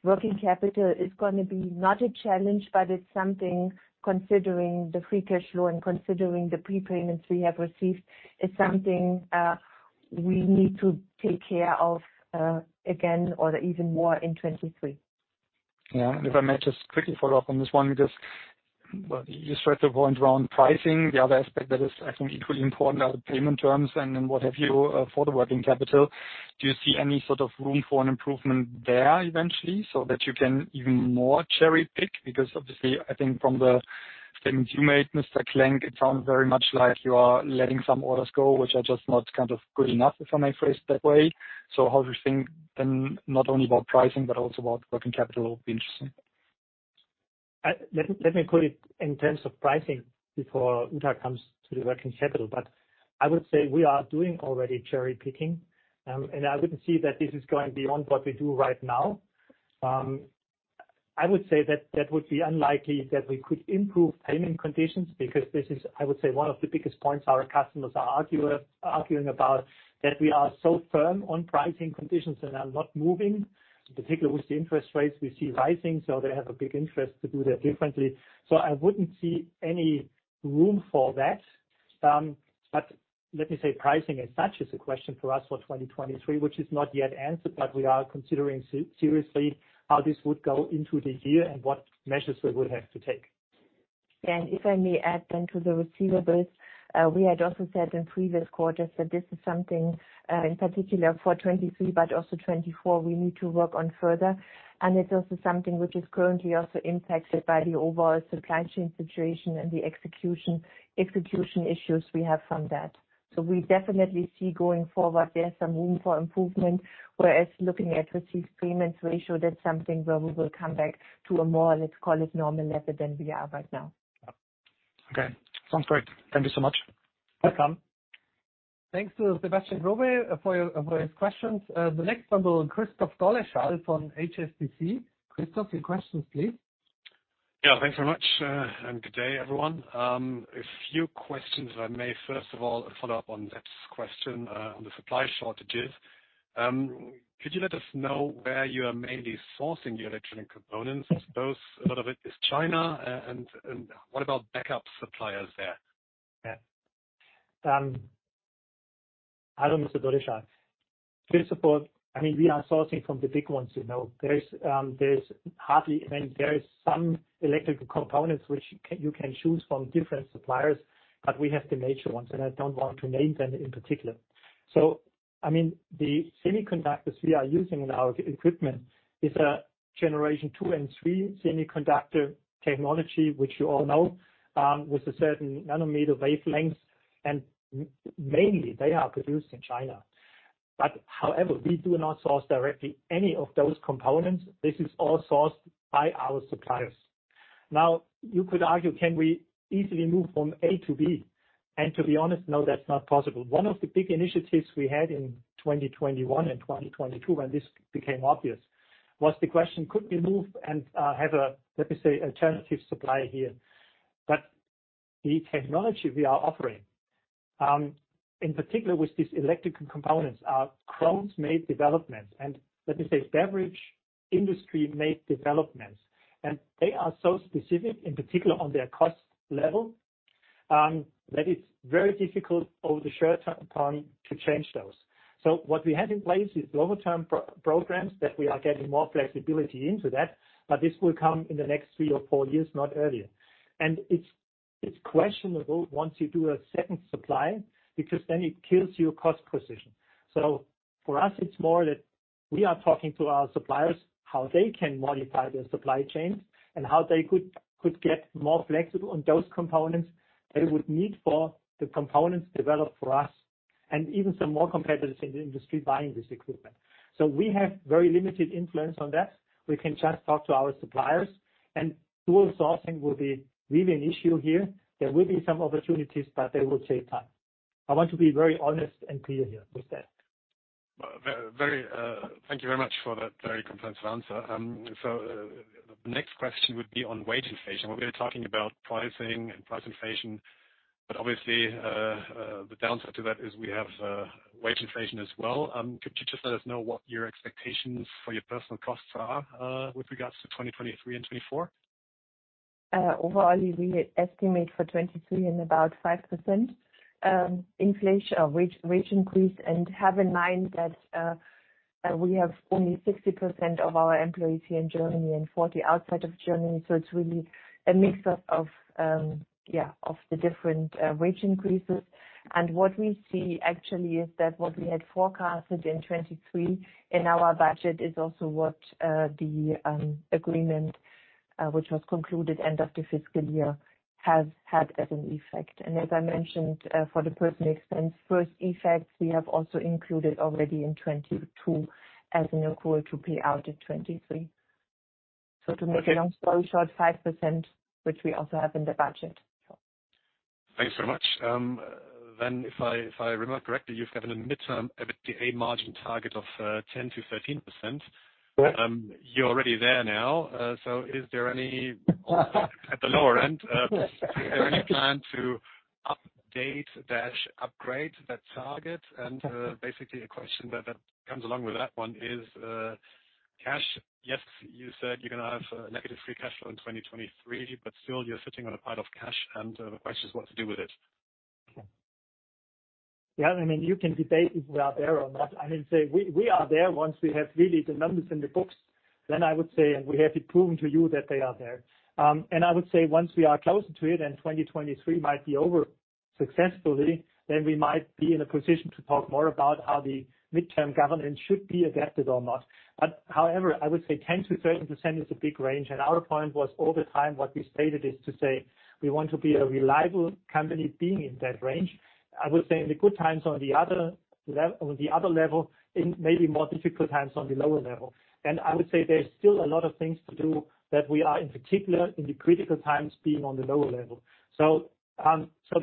Working capital is going to be not a challenge, but it's something considering the free cash flow and considering the prepayments we have received, it's something we need to take care of again or even more in 2023. Yeah. If I may just quickly follow up on this one, because, well, you stressed the point around pricing. The other aspect that is I think equally important are the payment terms and what have you for the working capital. Do you see any sort of room for an improvement there eventually so that you can even more cherry-pick? Obviously, I think from the statements you made, Mr. Klenk, it sounds very much like you are letting some orders go, which are just not kind of good enough, if I may phrase it that way. How do you think then not only about pricing, but also about working capital, would be interesting. Let me put it in terms of pricing before Uta comes to the working capital. I would say we are doing already cherry-picking, and I wouldn't see that this is going beyond what we do right now. I would say that that would be unlikely that we could improve payment conditions because this is, I would say, one of the biggest points our customers are arguing about, that we are so firm on pricing conditions and are not moving, particularly with the interest rates we see rising, so they have a big interest to do that differently. I wouldn't see any room for that. Let me say pricing as such is a question for us for 2023, which is not yet answered, but we are considering seriously how this would go into the year and what measures we would have to take. If I may add then to the receivables, we had also said in previous quarters that this is something, in particular for 23, but also 24, we need to work on further. It's also something which is currently also impacted by the overall supply chain situation and the execution issues we have from that. We definitely see going forward there's some room for improvement, whereas looking at receipts payments ratio, that's something where we will come back to a more, let's call it normal level than we are right now. Okay. Sounds great. Thank you so much. Welcome. Thanks to Sebastian Growe for his questions. The next one will Christoph Dolleschal from HSBC. Christoph, your questions, please. Yeah. Thanks very much, and good day, everyone. A few questions, if I may. First of all, a follow-up on that question, on the supply shortages. Could you let us know where you are mainly sourcing your electronic components? I suppose a lot of it is China. And what about backup suppliers there? Yeah. I don't, Mr. Dolleschal. Please support. I mean, we are sourcing from the big ones, you know. There is, I mean, there is some electrical components which you can choose from different suppliers, but we have the major ones, and I don't want to name them in particular. I mean, the semiconductors we are using in our equipment is a generation two and three semiconductor technology, which you all know, with a certain nanometer wavelength, and mainly they are produced in China. However, we do not source directly any of those components. This is all sourced by our suppliers. You could argue, can we easily move from A to B? To be honest, no, that's not possible. One of the big initiatives we had in 2021 and 2022 when this became obvious, was the question: Could we move and have a, let me say, alternative supply here? The technology we are offering, in particular with these electrical components are Krones-made developments, and let me say, beverage industry-made developments. They are so specific, in particular on their cost level, that it's very difficult over the short term time to change those. What we have in place is longer term programs that we are getting more flexibility into that, but this will come in the next three or four years, not earlier. It's questionable once you do a second supply, because then it kills your cost position. For us, it's more We are talking to our suppliers, how they can modify their supply chains and how they could get more flexible on those components they would need for the components developed for us, and even some more competitors in the industry buying this equipment. We have very limited influence on that. We can just talk to our suppliers. Dual sourcing will be really an issue here. There will be some opportunities, but they will take time. I want to be very honest and clear here with that. Very, thank you very much for that very comprehensive answer. The next question would be on wage inflation. We're gonna be talking about pricing and price inflation, but obviously, the downside to that is we have wage inflation as well. Could you just let us know what your expectations for your personal costs are with regards to 2023 and 2024? Overall, we estimate for 2022 in about 5% inflation or wage increase. Have in mind that we have only 60% of our employees here in Germany and 40% outside of Germany. It's really a mix of the different wage increases. What we see actually is that what we had forecasted in 2023 in our budget is also what the agreement which was concluded end of the fiscal year has had as an effect. As I mentioned, for the personal expense first effects, we have also included already in 2022 as an accrual to pay out in 2023. To make a long story short, 5%, which we also have in the budget. Thanks so much. If I remember correctly, you've given a midterm EBITDA margin target of 10%-13%. Yes. You're already there now. Is there any at the lower end, is there any plan to update-upgrade that target? Basically a question that comes along with that one is cash. Yes, you said you're gonna have negative free cash flow in 2023, still you're sitting on a pile of cash, the question is what to do with it. Yeah. I mean, you can debate if we are there or not. I mean, say we are there once we have really the numbers in the books, then I would say, and we have it proven to you that they are there. I would say once we are closer to it, and 2023 might be over successfully, then we might be in a position to talk more about how the midterm governance should be adapted or not. I would say 10%-13% is a big range. Our point was all the time what we stated is to say, we want to be a reliable company being in that range. I would say in the good times on the other level, in maybe more difficult times on the lower level. I would say there's still a lot of things to do that we are, in particular, in the critical times being on the lower level.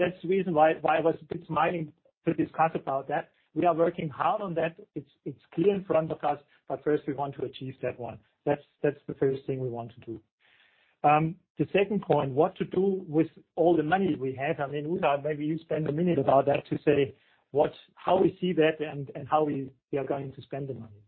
That's the reason why I was a bit smiling to discuss about that. We are working hard on that. It's clear in front of us, but first we want to achieve that one. That's the first thing we want to do. The second point, what to do with all the money we have? I mean, Uta, maybe you spend a minute about that to say how we see that and how we are going to spend the money.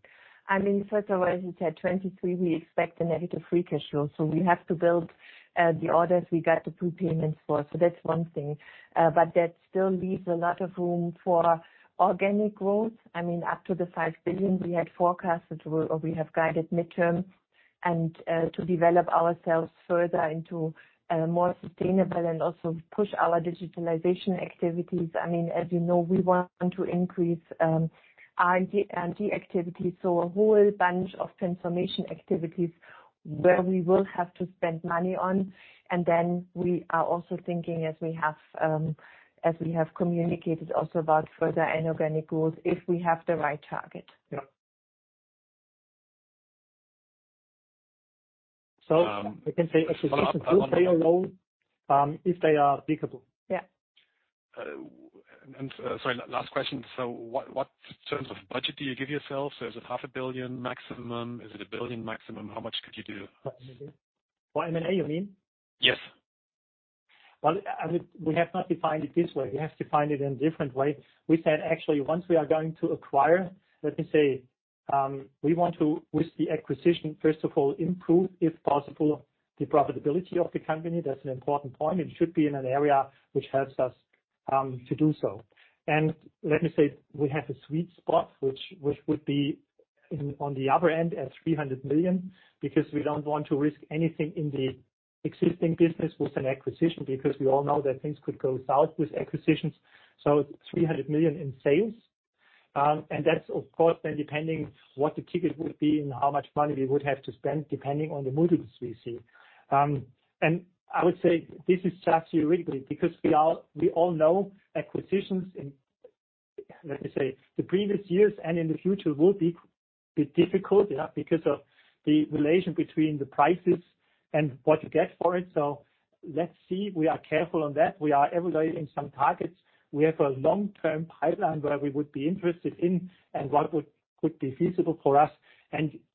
I mean, first of all, as you said, 2023, we expect a negative free cash flow. We have to build the orders we got the prepayments for. That still leaves a lot of room for organic growth. I mean, up to the 5 billion we had forecasted or we have guided midterm, to develop ourselves further into more sustainable and also push our digitalization activities. I mean, as you know, we want to increase R&D and D activities. A whole bunch of transformation activities where we will have to spend money on. We are also thinking, as we have communicated also about further inorganic growth, if we have the right target. I can say acquisitions, we will play a role, if they are applicable. Yeah. Sorry, last question. What terms of budget do you give yourselves? Is it half a billion EUR maximum? Is it 1 billion maximum? How much could you do? For M&A, you mean? Yes. Well, we have not defined it this way. We have defined it in different way. We said, actually, once we are going to acquire, let me say, we want to, with the acquisition, first of all, improve, if possible, the profitability of the company. That's an important point. It should be in an area which helps us to do so. Let me say, we have a sweet spot, which would be in, on the upper end at 300 million, because we don't want to risk anything in the existing business with an acquisition, because we all know that things could go south with acquisitions. 300 million in sales. That's of course, then depending what the ticket would be and how much money we would have to spend, depending on the multiples we see. I would say this is just theoretically, because we all know acquisitions in, let me say, the previous years and in the future will be difficult, yeah, because of the relation between the prices and what you get for it. Let's see. We are careful on that. We are evaluating some targets. We have a long-term pipeline where we would be interested in and what could be feasible for us.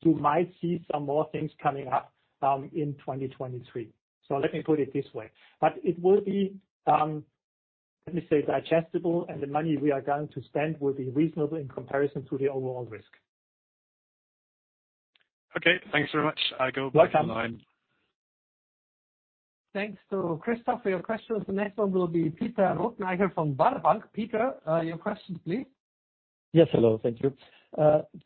You might see some more things coming up in 2023. Let me put it this way. It will be, let me say, digestible, and the money we are going to spend will be reasonable in comparison to the overall risk. Okay, thanks very much. I go back on the line. Thanks to Christoph for your questions. The next one will be Peter Rothenaicher from Baader Bank. Peter, your questions, please. Yes. Hello. Thank you.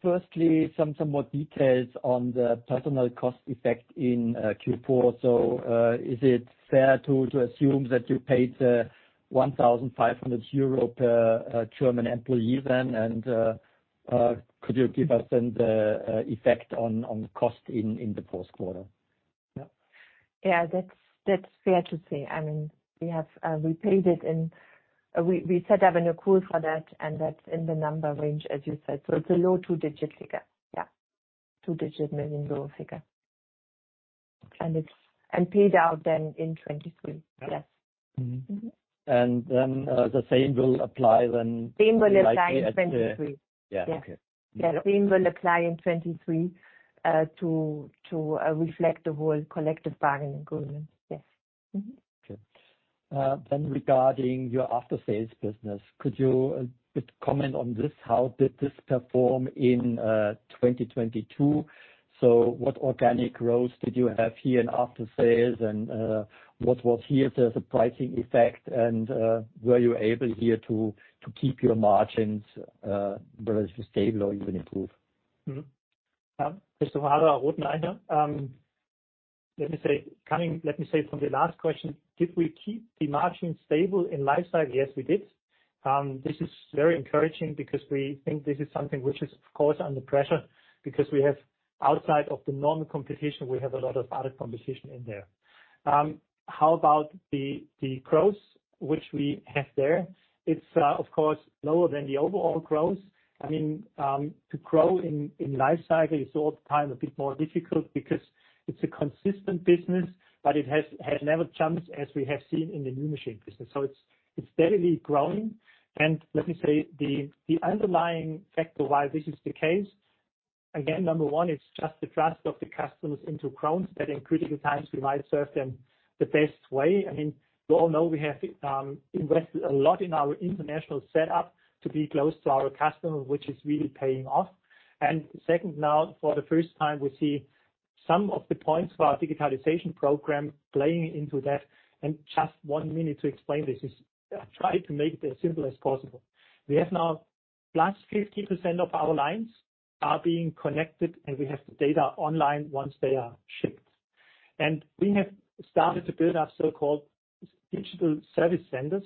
Firstly, some more details on the personal cost effect in Q4. Is it fair to assume that you paid 1,500 euro per German employee then? Could you give us then the effect on cost in the fourth quarter? Yeah, that's fair to say. I mean, we paid it in. We set up an accrual for that, and that's in the number range, as you said. It's a low two-digit figure. Yeah. Two-digit million EUR figure. Paid out then in 2023. Yes. Mm-hmm. Mm-hmm. The same will apply. Same will apply in 2023. Yeah. Okay. Yeah. Same will apply in 2023, to reflect the whole collective bargaining agreement. Yes. Mm-hmm. Okay. Regarding your after-sales business, could you comment on this? How did this perform in 2022? What organic growth did you have here in after sales and what was here the surprising effect and were you able here to keep your margins relatively stable or even improve? Christoph Rüttimann, Peter Rothenaicher here. Let me say from the last question, did we keep the margins stable in Lifecycle? Yes, we did. This is very encouraging because we think this is something which is of course, under pressure because we have outside of the normal competition, we have a lot of other competition in there. How about the growth which we have there? It's of course, lower than the overall growth. I mean, to grow in Lifecycle is all the time a bit more difficult because it's a consistent business, but it has never jumped as we have seen in the new machine business. It's steadily growing. Let me say, the underlying factor why this is the case, again, number one, it's just the trust of the customers into Krones that in critical times we might serve them the best way. I mean, you all know we have invested a lot in our international setup to be close to our customers, which is really paying off. Second, now, for the first time, we see some of the points for our digitalization program playing into that. Just one minute to explain this. I'll try to make it as simple as possible. We have now plus 50% of our lines are being connected, and we have the data online once they are shipped. We have started to build our so-called Digital Service Centers.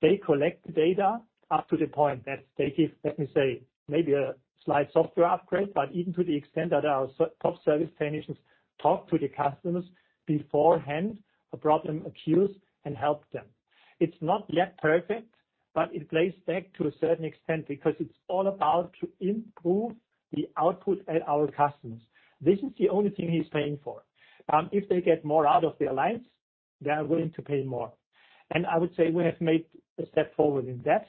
They collect data up to the point that they give, let me say, maybe a slight software upgrade, but even to the extent that our top service technicians talk to the customers beforehand a problem occurs, and help them. It's not yet perfect, but it plays back to a certain extent because it's all about to improve the output at our customers. This is the only thing he's paying for. If they get more out of their lines, they are willing to pay more. I would say we have made a step forward in that.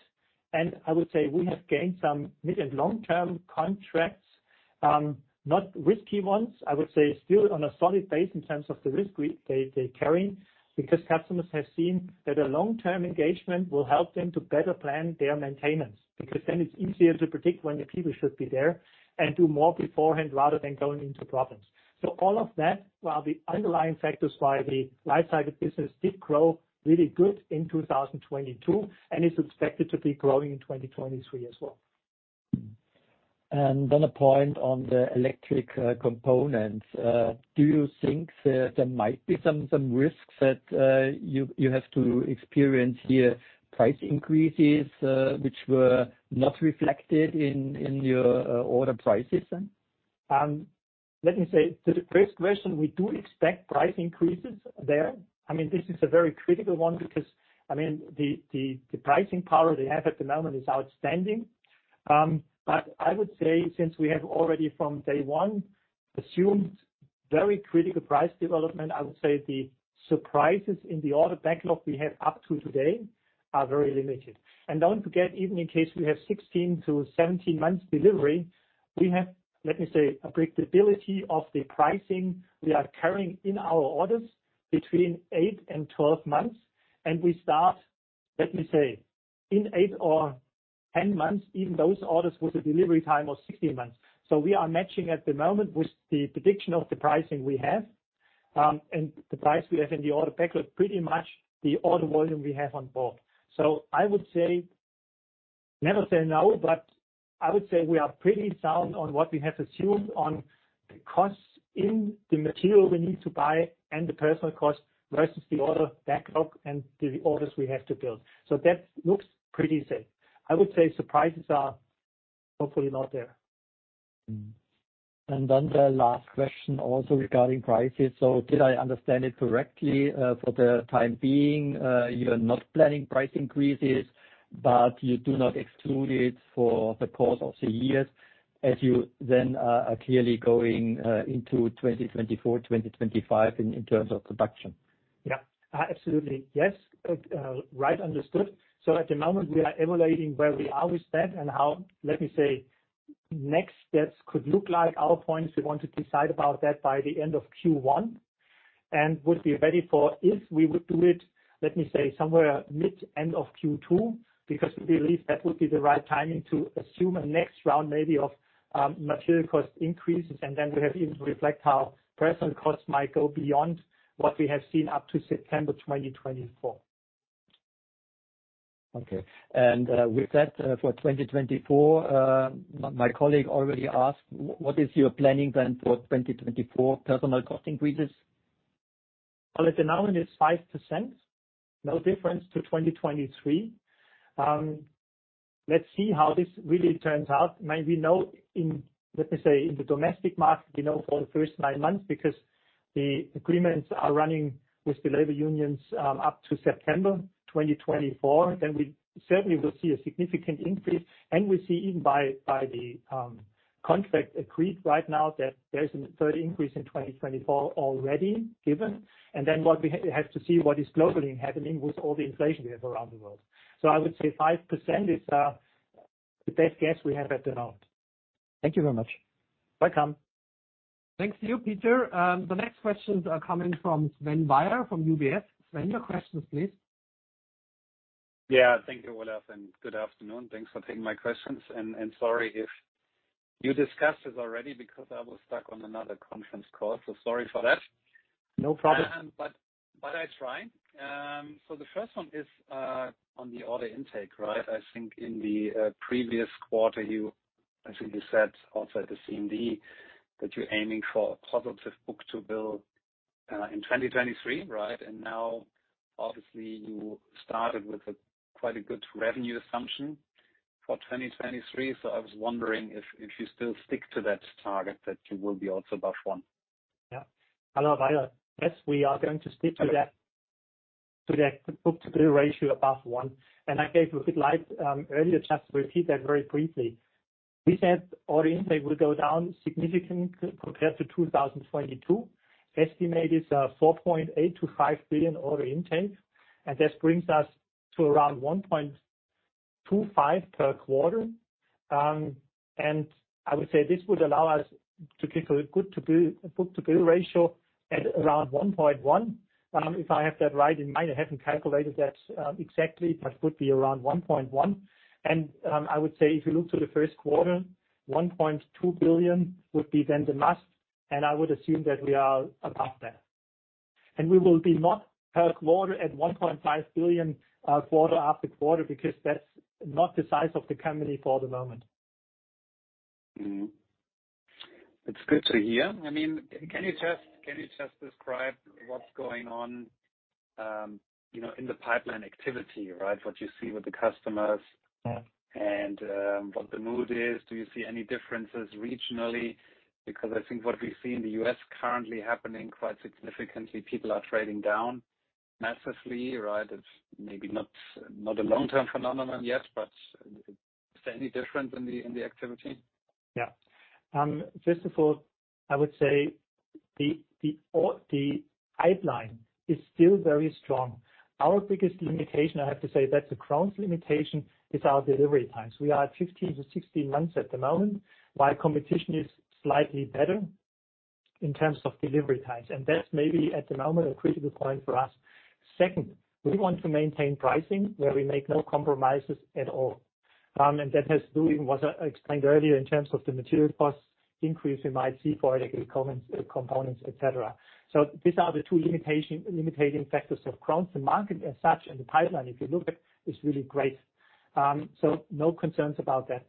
I would say we have gained some mid and long-term contracts, not risky ones. I would say still on a solid base in terms of the risk they're carrying, because customers have seen that a long-term engagement will help them to better plan their maintenance, because then it's easier to predict when the people should be there and do more beforehand rather than going into problems. All of that were the underlying factors why the Lifecycle business did grow really good in 2022, and is expected to be growing in 2023 as well. A point on the electric components. Do you think there might be some risks that you have to experience here, price increases, which were not reflected in your order prices then? Let me say, to the first question, we do expect price increases there. I mean, this is a very critical one because, I mean, the pricing power they have at the moment is outstanding. I would say since we have already from day one assumed very critical price development, I would say the surprises in the order backlog we have up to today are very limited. Don't forget, even in case we have 16-17 months delivery, we have, let me say, a predictability of the pricing we are carrying in our orders between 8 and 12 months, and we start, let me say, in 8 or 10 months, even those orders with a delivery time of 16 months. We are matching at the moment with the prediction of the pricing we have, and the price we have in the order backlog, pretty much the order volume we have on board. I would say, never say no, but I would say we are pretty sound on what we have assumed on the costs in the material we need to buy and the personal cost versus the order backlog and the orders we have to build. That looks pretty safe. I would say surprises are hopefully not there. Mm-hmm. Then the last question also regarding prices. Did I understand it correctly, for the time being, you're not planning price increases, but you do not exclude it for the course of the years as you then, are clearly going, into 2024, 2025 in terms of production? Yeah. Absolutely. Yes. Right understood. At the moment, we are evaluating where we are with that and how, let me say, next steps could look like. Our point is we want to decide about that by the end of Q1. Would be ready for if we would do it, let me say, somewhere mid-end of Q2, because we believe that would be the right timing to assume a next round maybe of material cost increases. We have even reflect how personal costs might go beyond what we have seen up to September 2024. Okay. With that, for 2024, my colleague already asked, what is your planning then for 2024 personal cost increases? Well, at the moment it's 5%, no difference to 2023. Let's see how this really turns out. Maybe now let me say, in the domestic market, we know for the first nine months, because the agreements are running with the labor unions, up to September 2024, then we certainly will see a significant increase. We see even by the contract agreed right now that there's a third increase in 2024 already given. What we have to see what is globally happening with all the inflation we have around the world. I would say 5% is the best guess we have at the moment. Thank you very much. Welcome. Thanks to you, Peter. The next questions are coming from Sven Weier from UBS. Sven, your questions, please. Yeah. Thank you, Olaf, and good afternoon. Thanks for taking my questions. Sorry if you discussed this already because I was stuck on another conference call. Sorry for that. No problem. I tried. The first one is on the order intake, right? I think in the previous quarter, you, I think you said also at the CMD that you're aiming for a positive book-to-bill in 2023, right? Now, obviously, you started with a quite a good revenue assumption for 2023. I was wondering if you still stick to that target that you will be also above 1. Yeah. Hello, Weier. Yes, we are going to stick to that, to that book-to-bill ratio above one. I gave a good light earlier, just to repeat that very briefly. We said order intake will go down significantly compared to 2022. Estimate is 4.8 billion-5 billion order intake, and this brings us to around 1.25 billion per quarter. I would say this would allow us to keep a good book-to-bill ratio at around 1.1. If I have that right in mind, I haven't calculated that exactly, but it would be around 1.1. I would say if you look to the first quarter, 1.2 billion would be then the must, and I would assume that we are above that. We will be not per quarter at 1.5 billion, quarter after quarter, because that's not the size of the company for the moment. It's good to hear. I mean, can you just describe what's going on, you know, in the pipeline activity, right? What you see with the customers? Yeah. What the mood is. Do you see any differences regionally? I think what we see in the U.S. currently happening quite significantly, people are trading down massively, right? It's maybe not a long-term phenomenon yet, but is there any difference in the, in the activity? Yeah. First of all, I would say the pipeline is still very strong. Our biggest limitation, I have to say, that's a Krones limitation, is our delivery times. We are at 15months-16 months at the moment, while competition is slightly better in terms of delivery times. That's maybe at the moment a critical point for us. Second, we want to maintain pricing where we make no compromises at all. That has to do with what I explained earlier in terms of the material costs increase we might see for the components, et cetera. These are the two limiting factors of Krones. The market as such and the pipeline, if you look at, is really great. No concerns about that.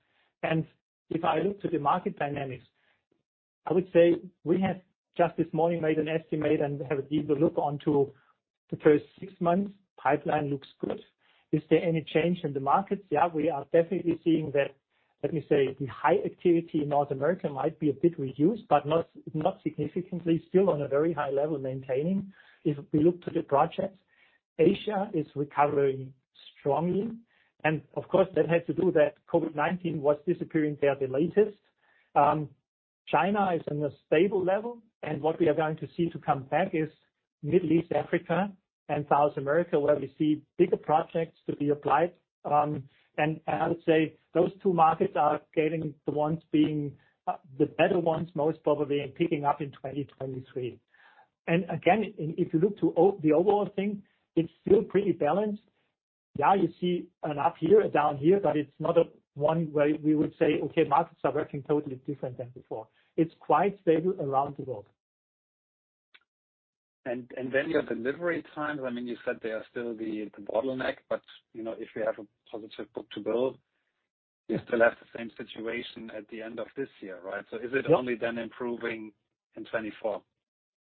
If I look to the market dynamics, I would say we have just this morning made an estimate and have a deeper look onto the first six months. Pipeline looks good. Is there any change in the markets? Yeah, we are definitely seeing that, let me say, the high activity in North America might be a bit reduced, but not significantly. Still on a very high level, maintaining. If we look to the projects, Asia is recovering strongly. Of course, that has to do that COVID-19 was disappearing there the latest. China is in a stable level, and what we are going to see to come back is Middle East Africa and South America, where we see bigger projects to be applied. I would say those two markets are getting the ones being the better ones, most probably, and picking up in 2023. Again, if you look to the overall thing, it's still pretty balanced. Yeah, you see an up here, a down here, but it's not a one way we would say, "Okay, markets are working totally different than before." It's quite stable around the world. Then your delivery times, I mean, you said they are still the bottleneck, but, you know, if we have a positive book-to-bill, you still have the same situation at the end of this year, right? Yeah. is it only then improving in 2024?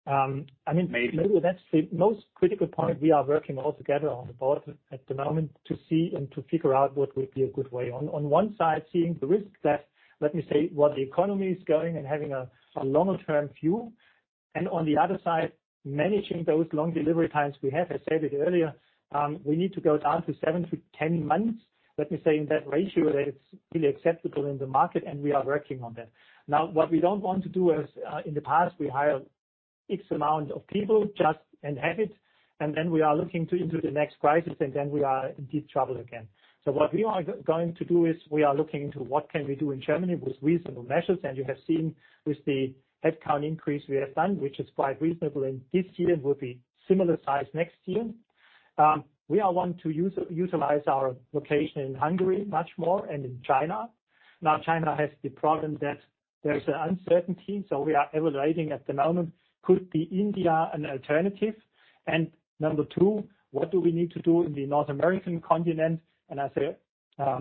Um, I mean- Maybe. That's the most critical point we are working all together on the board at the moment to see and to figure out what would be a good way. On one side, seeing the risk that, let me say, where the economy is going and having a longer term view. On the other side, managing those long delivery times we have. I said it earlier, we need to go down to seven to 10 months. Let me say in that ratio, that it's really acceptable in the market, and we are working on that. Now, what we don't want to do is in the past, we hired X amount of people just and have it, and then we are looking into the next crisis, and then we are in deep trouble again. What we are going to do is we are looking into what can we do in Germany with reasonable measures. You have seen with the headcount increase we have done, which is quite reasonable, and this year will be similar size next year. We are wanting to utilize our location in Hungary much more and in China. China has the problem that there's an uncertainty, so we are evaluating at the moment, could be India an alternative? Number two, what do we need to do in the North American continent? I say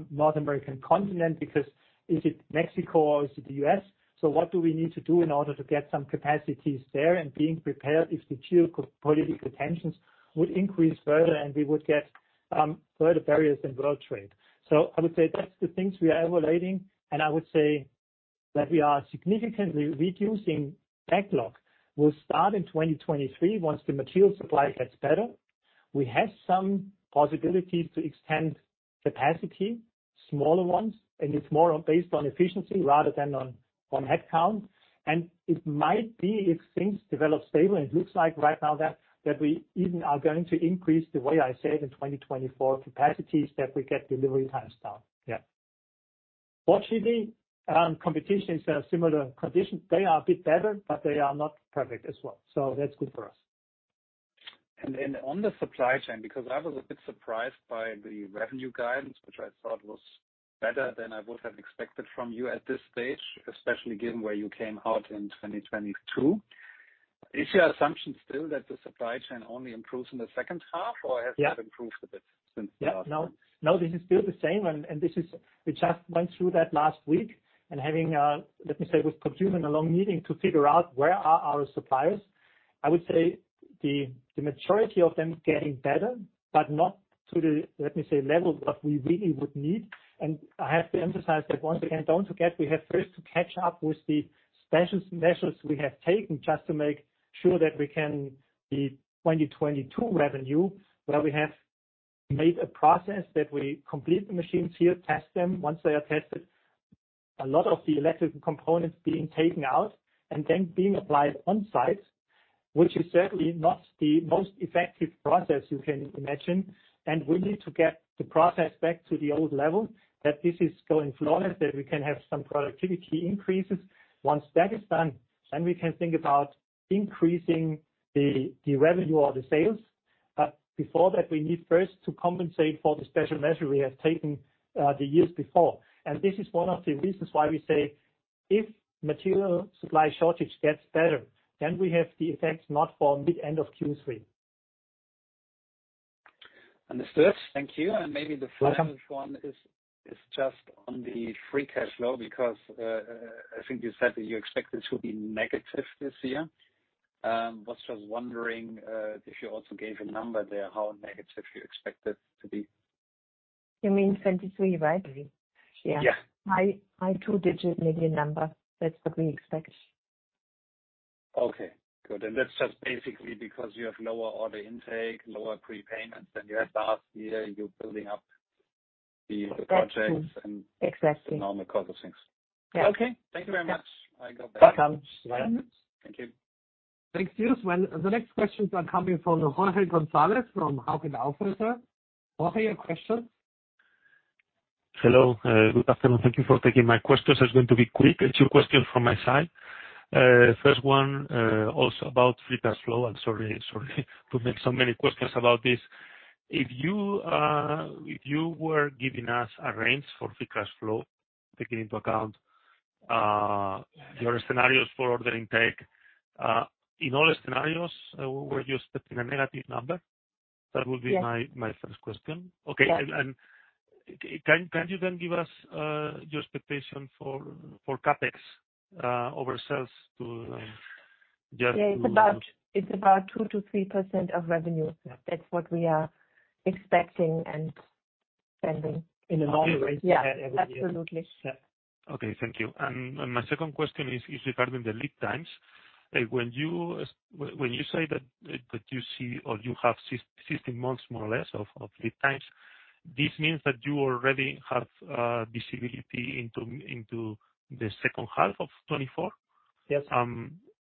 North American continent because is it Mexico or is it the US? What do we need to do in order to get some capacities there and being prepared if the geo-political tensions would increase further and we would get further barriers in world trade. I would say that's the things we are evaluating. That we are significantly reducing backlog will start in 2023 once the material supply gets better. We have some possibilities to extend capacity, smaller ones, and it's more based on efficiency rather than on headcount. It might be, if things develop stable, and it looks like right now that we even are going to increase the way I said in 2024 capacities, that we get delivery times down. Yeah. Fortunately, competition is a similar condition. They are a bit better, but they are not perfect as well. That's good for us. On the supply chain, because I was a bit surprised by the revenue guidance, which I thought was better than I would have expected from you at this stage, especially given where you came out in 2022. Is your assumption still that the supply chain only improves in the second half, or- Yeah. Has that improved a bit since the last one? Yeah. No, no, this is still the same. We just went through that last week and having a, let me say, with consumer in a long meeting to figure out where are our suppliers. I would say the majority of them getting better, but not to the, let me say, level that we really would need. I have to emphasize that once again, don't forget we have first to catch up with the special measures we have taken just to make sure that we can be 2022 revenue, where we have made a process that we complete the machines here, test them. Once they are tested, a lot of the electric components being taken out and then being applied on site, which is certainly not the most effective process you can imagine. We need to get the process back to the old level, that this is going flawless, that we can have some productivity increases. Once that is done, then we can think about increasing the revenue or the sales. Before that, we need first to compensate for the special measure we have taken, the years before. This is one of the reasons why we say, if material supply shortage gets better, then we have the effects not for mid-end of Q3. Understood. Thank you. Maybe the first one is just on the free cash flow, because I think you said that you expect it to be negative this year. Was just wondering if you also gave a number there, how negative you expect it to be. You mean 2023, right? Yeah. Yeah. High two-digit million number. That's what we expect. Okay, good. That's just basically because you have lower order intake, lower prepayments than you had the last year, you're building up the projects. Exactly. -the normal course of things. Yeah. Okay. Thank you very much. I go back. Welcome. Thank you. Thanks, Sven. Well, the next questions are coming from Jorge Gonzalez from Hauck & Aufhäuser. Jorge, your question. Hello. Good afternoon. Thank you for taking my questions. It's going to be quick. Two questions from my side. First one, also about free cash flow. I'm sorry to make so many questions about this. If you, if you were giving us a range for free cash flow, taking into account, your scenarios for order intake, in all scenarios, were you expecting a negative number? That would be my first question. Yes. Okay. Yes. Can you then give us your expectation for CapEx over sales. Yeah, it's about 2%-3% of revenue. Yeah. That's what we are expecting and spending. In a normal range. Yeah, absolutely. Yeah. Okay, thank you. My second question is regarding the lead times. When you say that you see or you have 16 months, more or less, of lead times, this means that you already have visibility into the second half of 2024? Yes.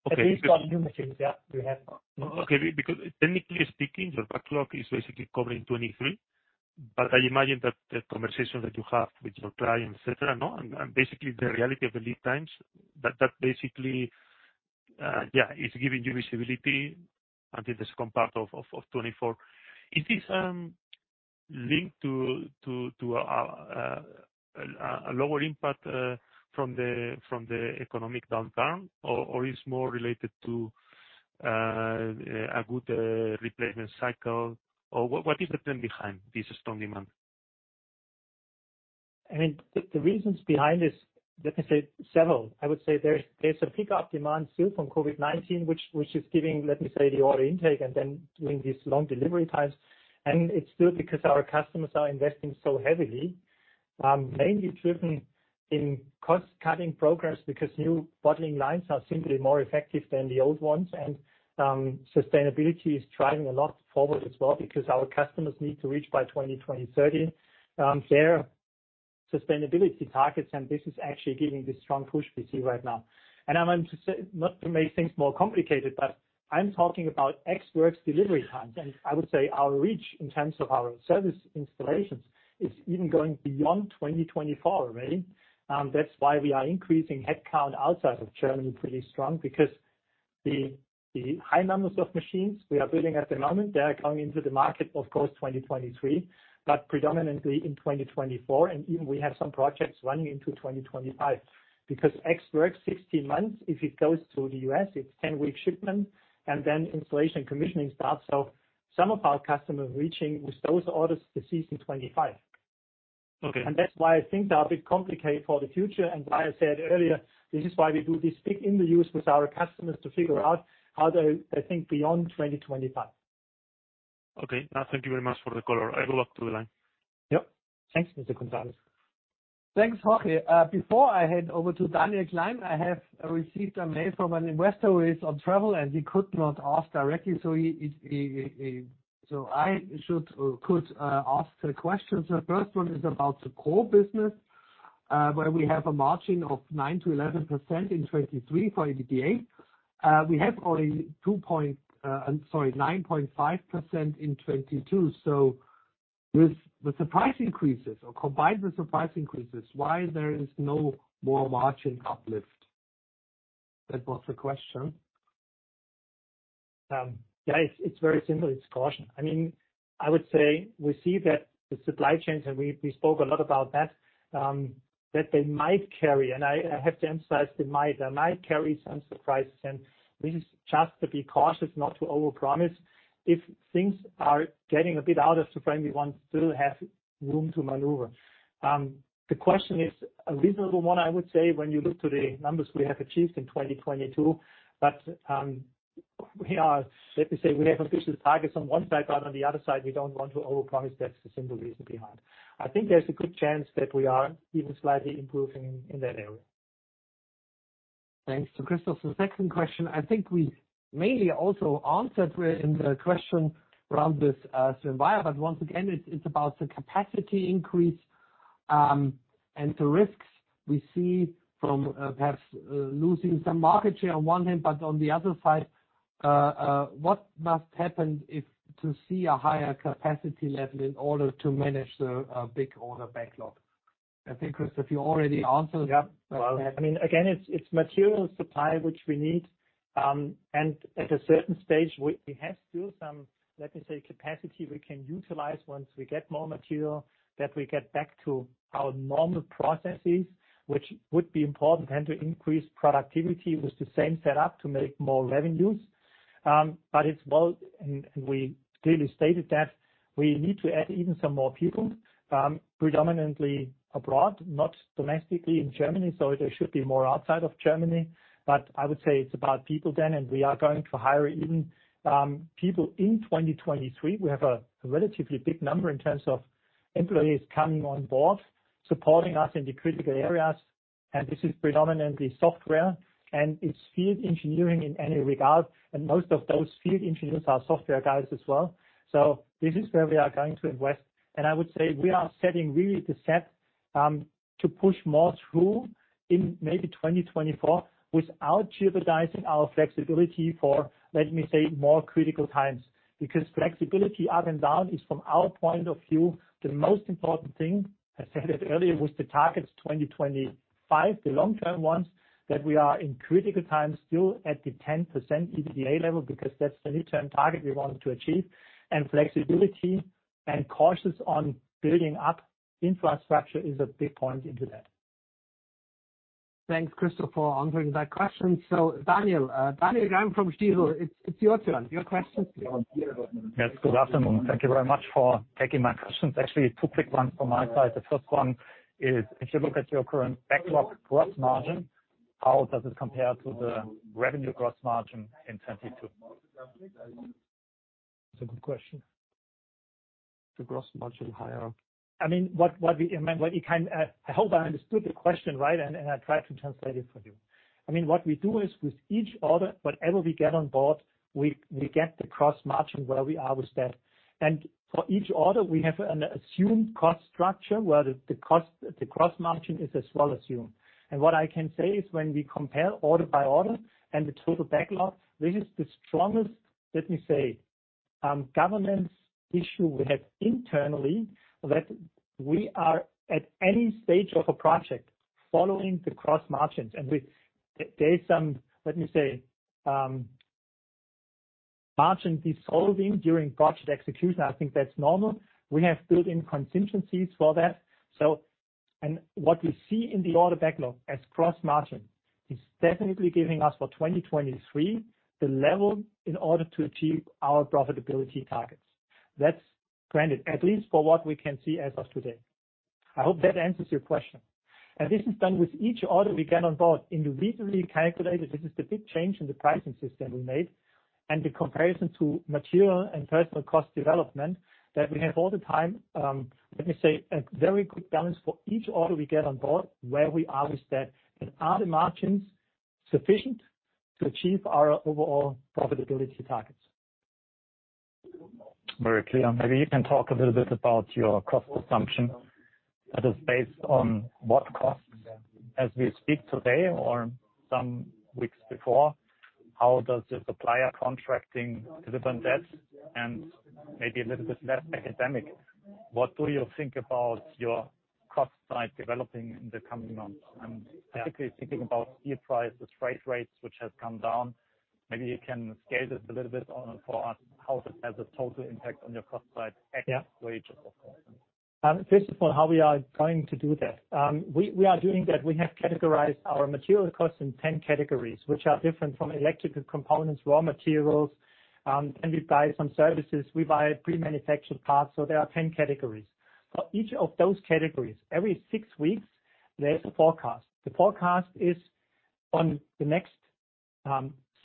Okay. At least on new machines, yeah, we have. Okay. Technically speaking, your backlog is basically covering 2023. I imagine that the conversation that you have with your clients, et cetera, no, and basically the reality of the lead times, that basically is giving you visibility until the second part of 2024. Is this linked to a lower impact from the economic downturn or is more related to a good replacement cycle? Or what is the trend behind this strong demand? I mean, the reasons behind this, let me say, several. I would say there's a pickup demand still from COVID-19, which is giving, let me say, the order intake and then doing these long delivery times. It's still because our customers are investing so heavily, mainly driven in cost-cutting programs because new bottling lines are simply more effective than the old ones. Sustainability is driving a lot forward as well because our customers need to reach by 2020, 30, their sustainability targets, and this is actually giving this strong push we see right now. I'm going to say, not to make things more complicated, but I'm talking about Ex Works delivery times. I would say our reach in terms of our service installations is even going beyond 2024 already. That's why we are increasing headcount outside of Germany pretty strong because the high numbers of machines we are building at the moment, they are coming into the market, of course, 2023, but predominantly in 2024. Even we have some projects running into 2025 because Ex Works 16 months. If it goes to the US, it's 10-week shipment and then installation commissioning starts. Some of our customers reaching with those orders the season 2025. Okay. That's why things are a bit complicated for the future. As I said earlier, this is why we do this big interviews with our customers to figure out how they think beyond 2025. Okay. Thank you very much for the call. I will look to the line. Yep. Thanks, Mr. Gonzalez. Thanks, Jorge. Before I hand over to Daniel Klein, I have received a mail from an investor who is on travel, and he could not ask directly, I should or could ask the questions. The first one is about the core business, where we have a margin of 9%-11% in 2023 for EBITDA. We have only I'm sorry, 9.5% in 2022. With the price increases or combined with the price increases, why there is no more margin uplift? That was the question. Yeah, it's very simple. It's caution. I mean, I would say we see that the supply chains, and we spoke a lot about that they might carry, and I have to emphasize they might, they might carry some surprises. This is just to be cautious not to overpromise. If things are getting a bit out of the frame, we want to have room to maneuver. The question is a reasonable one, I would say, when you look to the numbers we have achieved in 2022, we are, let me say, we have official targets on one side, but on the other side, we don't want to overpromise. That's the simple reason behind. I think there's a good chance that we are even slightly improving in that area. Thanks. Christopher, second question. I think we mainly also answered in the question around this survivor. Once again, it's about the capacity increase, and the risks we see from perhaps losing some market share on one hand, but on the other side, what must happen if to see a higher capacity level in order to manage the big order backlog? I think, Christopher, you already answered. Yeah. Well, I mean, again, it's material supply which we need. At a certain stage we have still some, let me say, capacity we can utilize once we get more material, that we get back to our normal processes, which would be important. To increase productivity with the same setup to make more revenues. It's both. We clearly stated that we need to add even some more people, predominantly abroad, not domestically in Germany. There should be more outside of Germany. I would say it's about people then, and we are going to hire even people in 2023. We have a relatively big number in terms of employees coming on board, supporting us in the critical areas. This is predominantly software, and it's field engineering in any regard. Most of those field engineers are software guys as well. This is where we are going to invest. I would say we are setting really the set to push more through in maybe 2024 without jeopardizing our flexibility for, let me say, more critical times. Flexibility up and down is, from our point of view, the most important thing. I said it earlier, with the targets 2025, the long-term ones, that we are in critical times still at the 10% EBITDA level because that's the midterm target we want to achieve. Flexibility and cautious on building up infrastructure is a big point into that. Thanks, Christopher, for answering that question. Sebastian Kropp from Stifel, it's your turn. Your questions. Yes. Good afternoon. Thank you very much for taking my questions. Actually two quick ones from my side. The first one is, if you look at your current backlog gross margin, how does it compare to the revenue gross margin in 2022? That's a good question. The gross margin higher. What we, what you can. I hope I understood the question right and I try to translate it for you. What we do is with each order, whatever we get on board, we get the cross margin where we are with that. For each order, we have an assumed cost structure where the cost, the cross margin is as well assumed. What I can say is when we compare order by order and the total backlog, this is the strongest, let me say, governance issue we have internally, that we are at any stage of a project following the cross margins. There is some, let me say, margin dissolving during project execution. I think that's normal. We have built in contingencies for that. What we see in the order backlog as cross margin is definitely giving us for 2023 the level in order to achieve our profitability targets. That's granted, at least for what we can see as of today. I hope that answers your question. This is done with each order we get on board individually calculated. This is the big change in the pricing system we made and the comparison to material and personal cost development that we have all the time, let me say, a very good balance for each order we get on board where we are with that. Are the margins sufficient to achieve our overall profitability targets? Very clear. Maybe you can talk a little bit about your cost assumption that is based on what costs as we speak today or some weeks before. How does the supplier contracting deliver on that? Maybe a little bit less academic, what do you think about your cost side developing in the coming months? I'm particularly thinking about steel prices, freight rates, which has come down. Maybe you can scale this a little bit on for us, how that has a total impact on your cost side. Yeah. -X wages of course. First of all, how we are going to do that. We are doing that. We have categorized our material costs in 10 categories, which are different from electrical components, raw materials, and we buy some services. We buy pre-manufactured parts. There are 10 categories. For each of those categories, every 6 weeks, there's a forecast.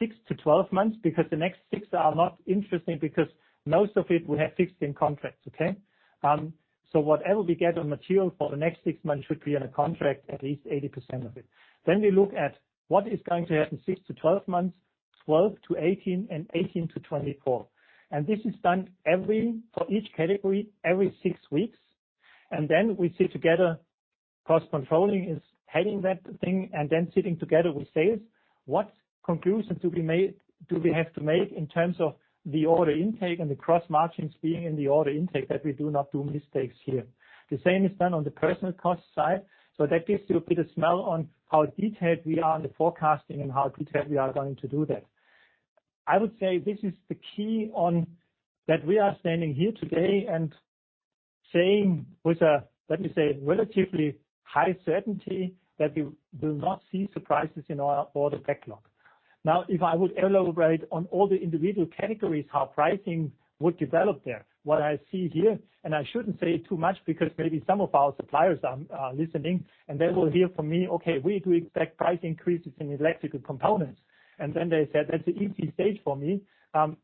The forecast is on the next 6month-12 months, because the next 6 are not interesting because most of it we have fixed in contracts, okay? Whatever we get on material for the next 6 months should be on a contract, at least 80% of it. We look at what is going to happen 6-12 months, 12-18, and 18-24. This is done for each category every 6 weeks. We sit together, cost controlling is heading that thing, and then sitting together with sales, what conclusions do we have to make in terms of the order intake and the cross margins being in the order intake that we do not do mistakes here? The same is done on the personal cost side. That gives you a bit of smell on how detailed we are in the forecasting and how detailed we are going to do that. I would say this is the key on, that we are standing here today and saying with a, let me say, relatively high certainty that we will not see surprises in our order backlog. If I would elaborate on all the individual categories, how pricing would develop there. What I see here, I shouldn't say it too much because maybe some of our suppliers are listening, and they will hear from me, "Okay, we do expect price increases in electrical components." Then they said, "That's an easy stage for me."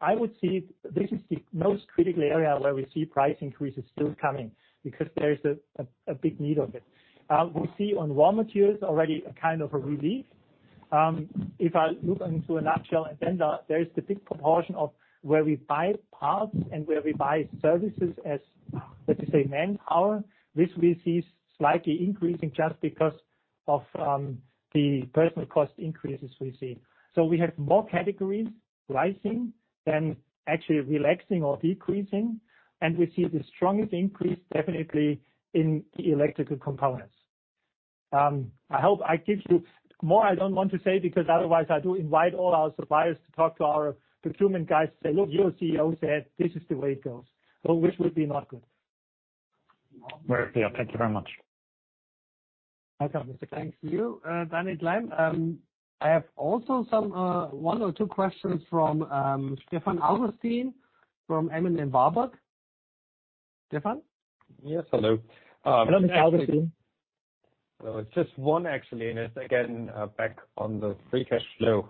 I would see this is the most critical area where we see price increases still coming because there is a big need of it. We see on raw materials already a kind of a relief. If I look into a nutshell and then, there is the big proportion of where we buy parts and where we buy services as, let me say, manpower. This we see slightly increasing just because of the personal cost increases we see. We have more categories rising than actually relaxing or decreasing. We see the strongest increase definitely in the electrical components. I hope I give you. More I don't want to say because otherwise I do invite all our suppliers to talk to our procurement guys to say, "Look, your CEO said this is the way it goes." Which would be not good. Thank you very much. Welcome. Thanks to you, Danny Gleim. I have also some one or two questions from Stefan Augustin from M.M.Warburg. Stephan? Yes, hello. Hello, Mr. Alberstein. it's just one actually, and it's again back on the free cash flow.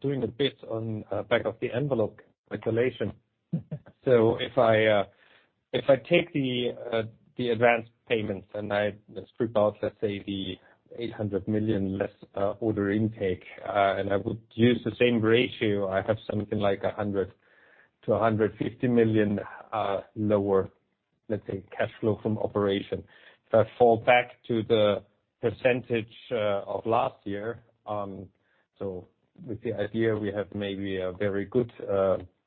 doing a bit on back of the envelope calculation. If I take the advanced payments and I strip out, let's say, the 800 million less order intake, and I would use the same ratio, I have something like 100 million-150 million lower, let's say, cash flow from operation. If I fall back to the percentage of last year, with the idea we have maybe a very good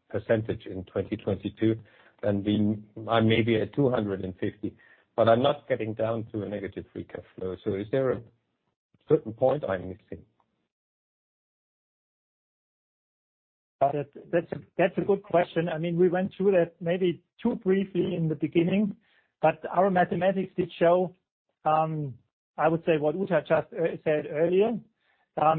percentage in 2022, I may be at 250 million. I'm not getting down to a negative free cash flow. Is there a certain point I'm missing? That's a good question. I mean, we went through that maybe too briefly in the beginning, but our mathematics did show, I would say what Uta just said earlier.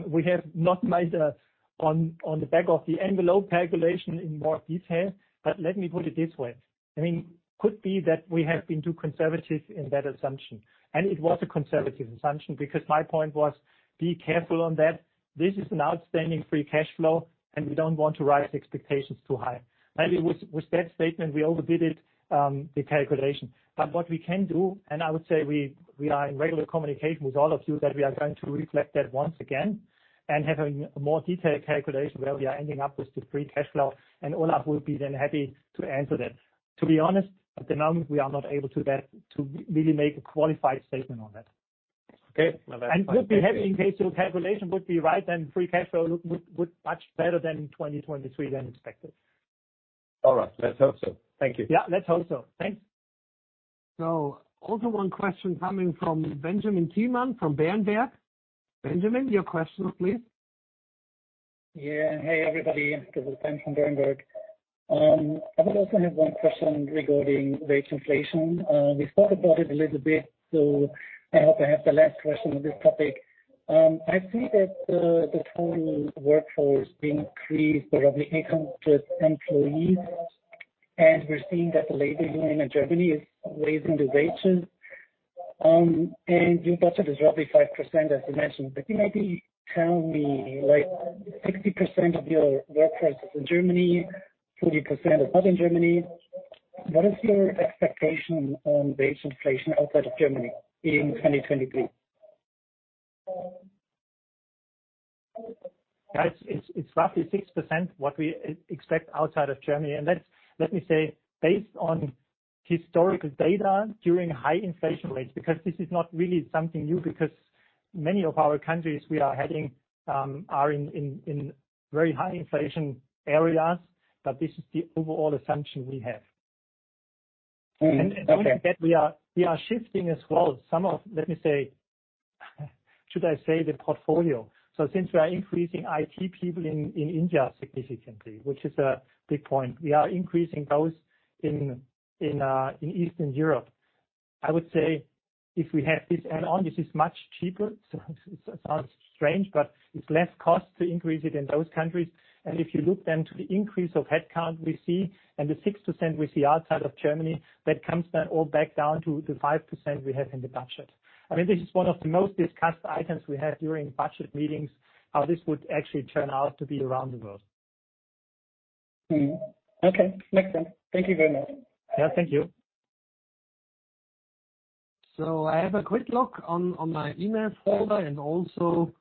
We have not made a on the back of the envelope calculation in more detail, but let me put it this way. I mean, could be that we have been too conservative in that assumption. It was a conservative assumption because my point was, be careful on that. This is an outstanding free cash flow, and we don't want to rise expectations too high. Maybe with that statement, we overdid it, the calculation. What we can do, and I would say we are in regular communication with all of you, that we are going to reflect that once again and have a more detailed calculation where we are ending up with the free cash flow, and Olaf will be then happy to answer that. To be honest, at the moment, we are not able to really make a qualified statement on that. Okay. Well, that's fine. Thank you. Would be happy in case your calculation would be right, then free cash flow look would much better than in 2023 than expected. All right. Let's hope so. Thank you. Yeah. Let's hope so. Thanks. Also one question coming from Benjamin Tiemann from Berenberg. Benjamin, your question, please. Yeah. Hey, everybody. This is Ben from Berenberg. I would also have one question regarding wage inflation. We thought about it a little bit. I hope I have the last question on this topic. I see that the total workforce being increased by roughly 800 employees. We're seeing that the labor union in Germany is raising the wages. Your budget is roughly 5%, as you mentioned. Can you maybe tell me, like 60% of your workforce is in Germany, 40% is not in Germany. What is your expectation on wage inflation outside of Germany in 2023? Guys, it's roughly 6% what we expect outside of Germany. Let's, let me say, based on historical data during high inflation rates, because this is not really something new, because many of our countries we are heading, are in very high inflation areas. This is the overall assumption we have. Mm-hmm. Okay. Don't forget we are, we are shifting as well some of, let me say, should I say the portfolio? Since we are increasing IT people in India significantly, which is a big point, we are increasing those in Eastern Europe. I would say if we have this add on, this is much cheaper. So it sounds strange, but it's less cost to increase it in those countries. And if you look then to the increase of headcount we see and the 6% we see outside of Germany, that comes then all back down to the 5% we have in the budget. I mean, this is one of the most discussed items we had during budget meetings, how this would actually turn out to be around the world. Okay. Makes sense. Thank you very much. Yeah, thank you. I have a quick look on my emails folder and also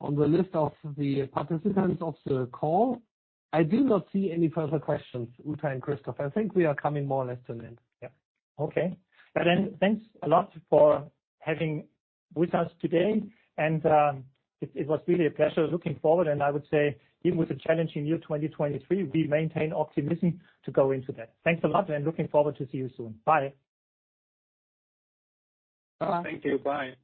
on the list of the participants of the call. I do not see any further questions, Uta and Christoph. I think we are coming more or less to an end. Okay. Thanks a lot for having with us today. It was really a pleasure looking forward. I would say even with the challenging year, 2023, we maintain optimism to go into that. Thanks a lot, and looking forward to see you soon. Bye. Bye. Thank you. Bye.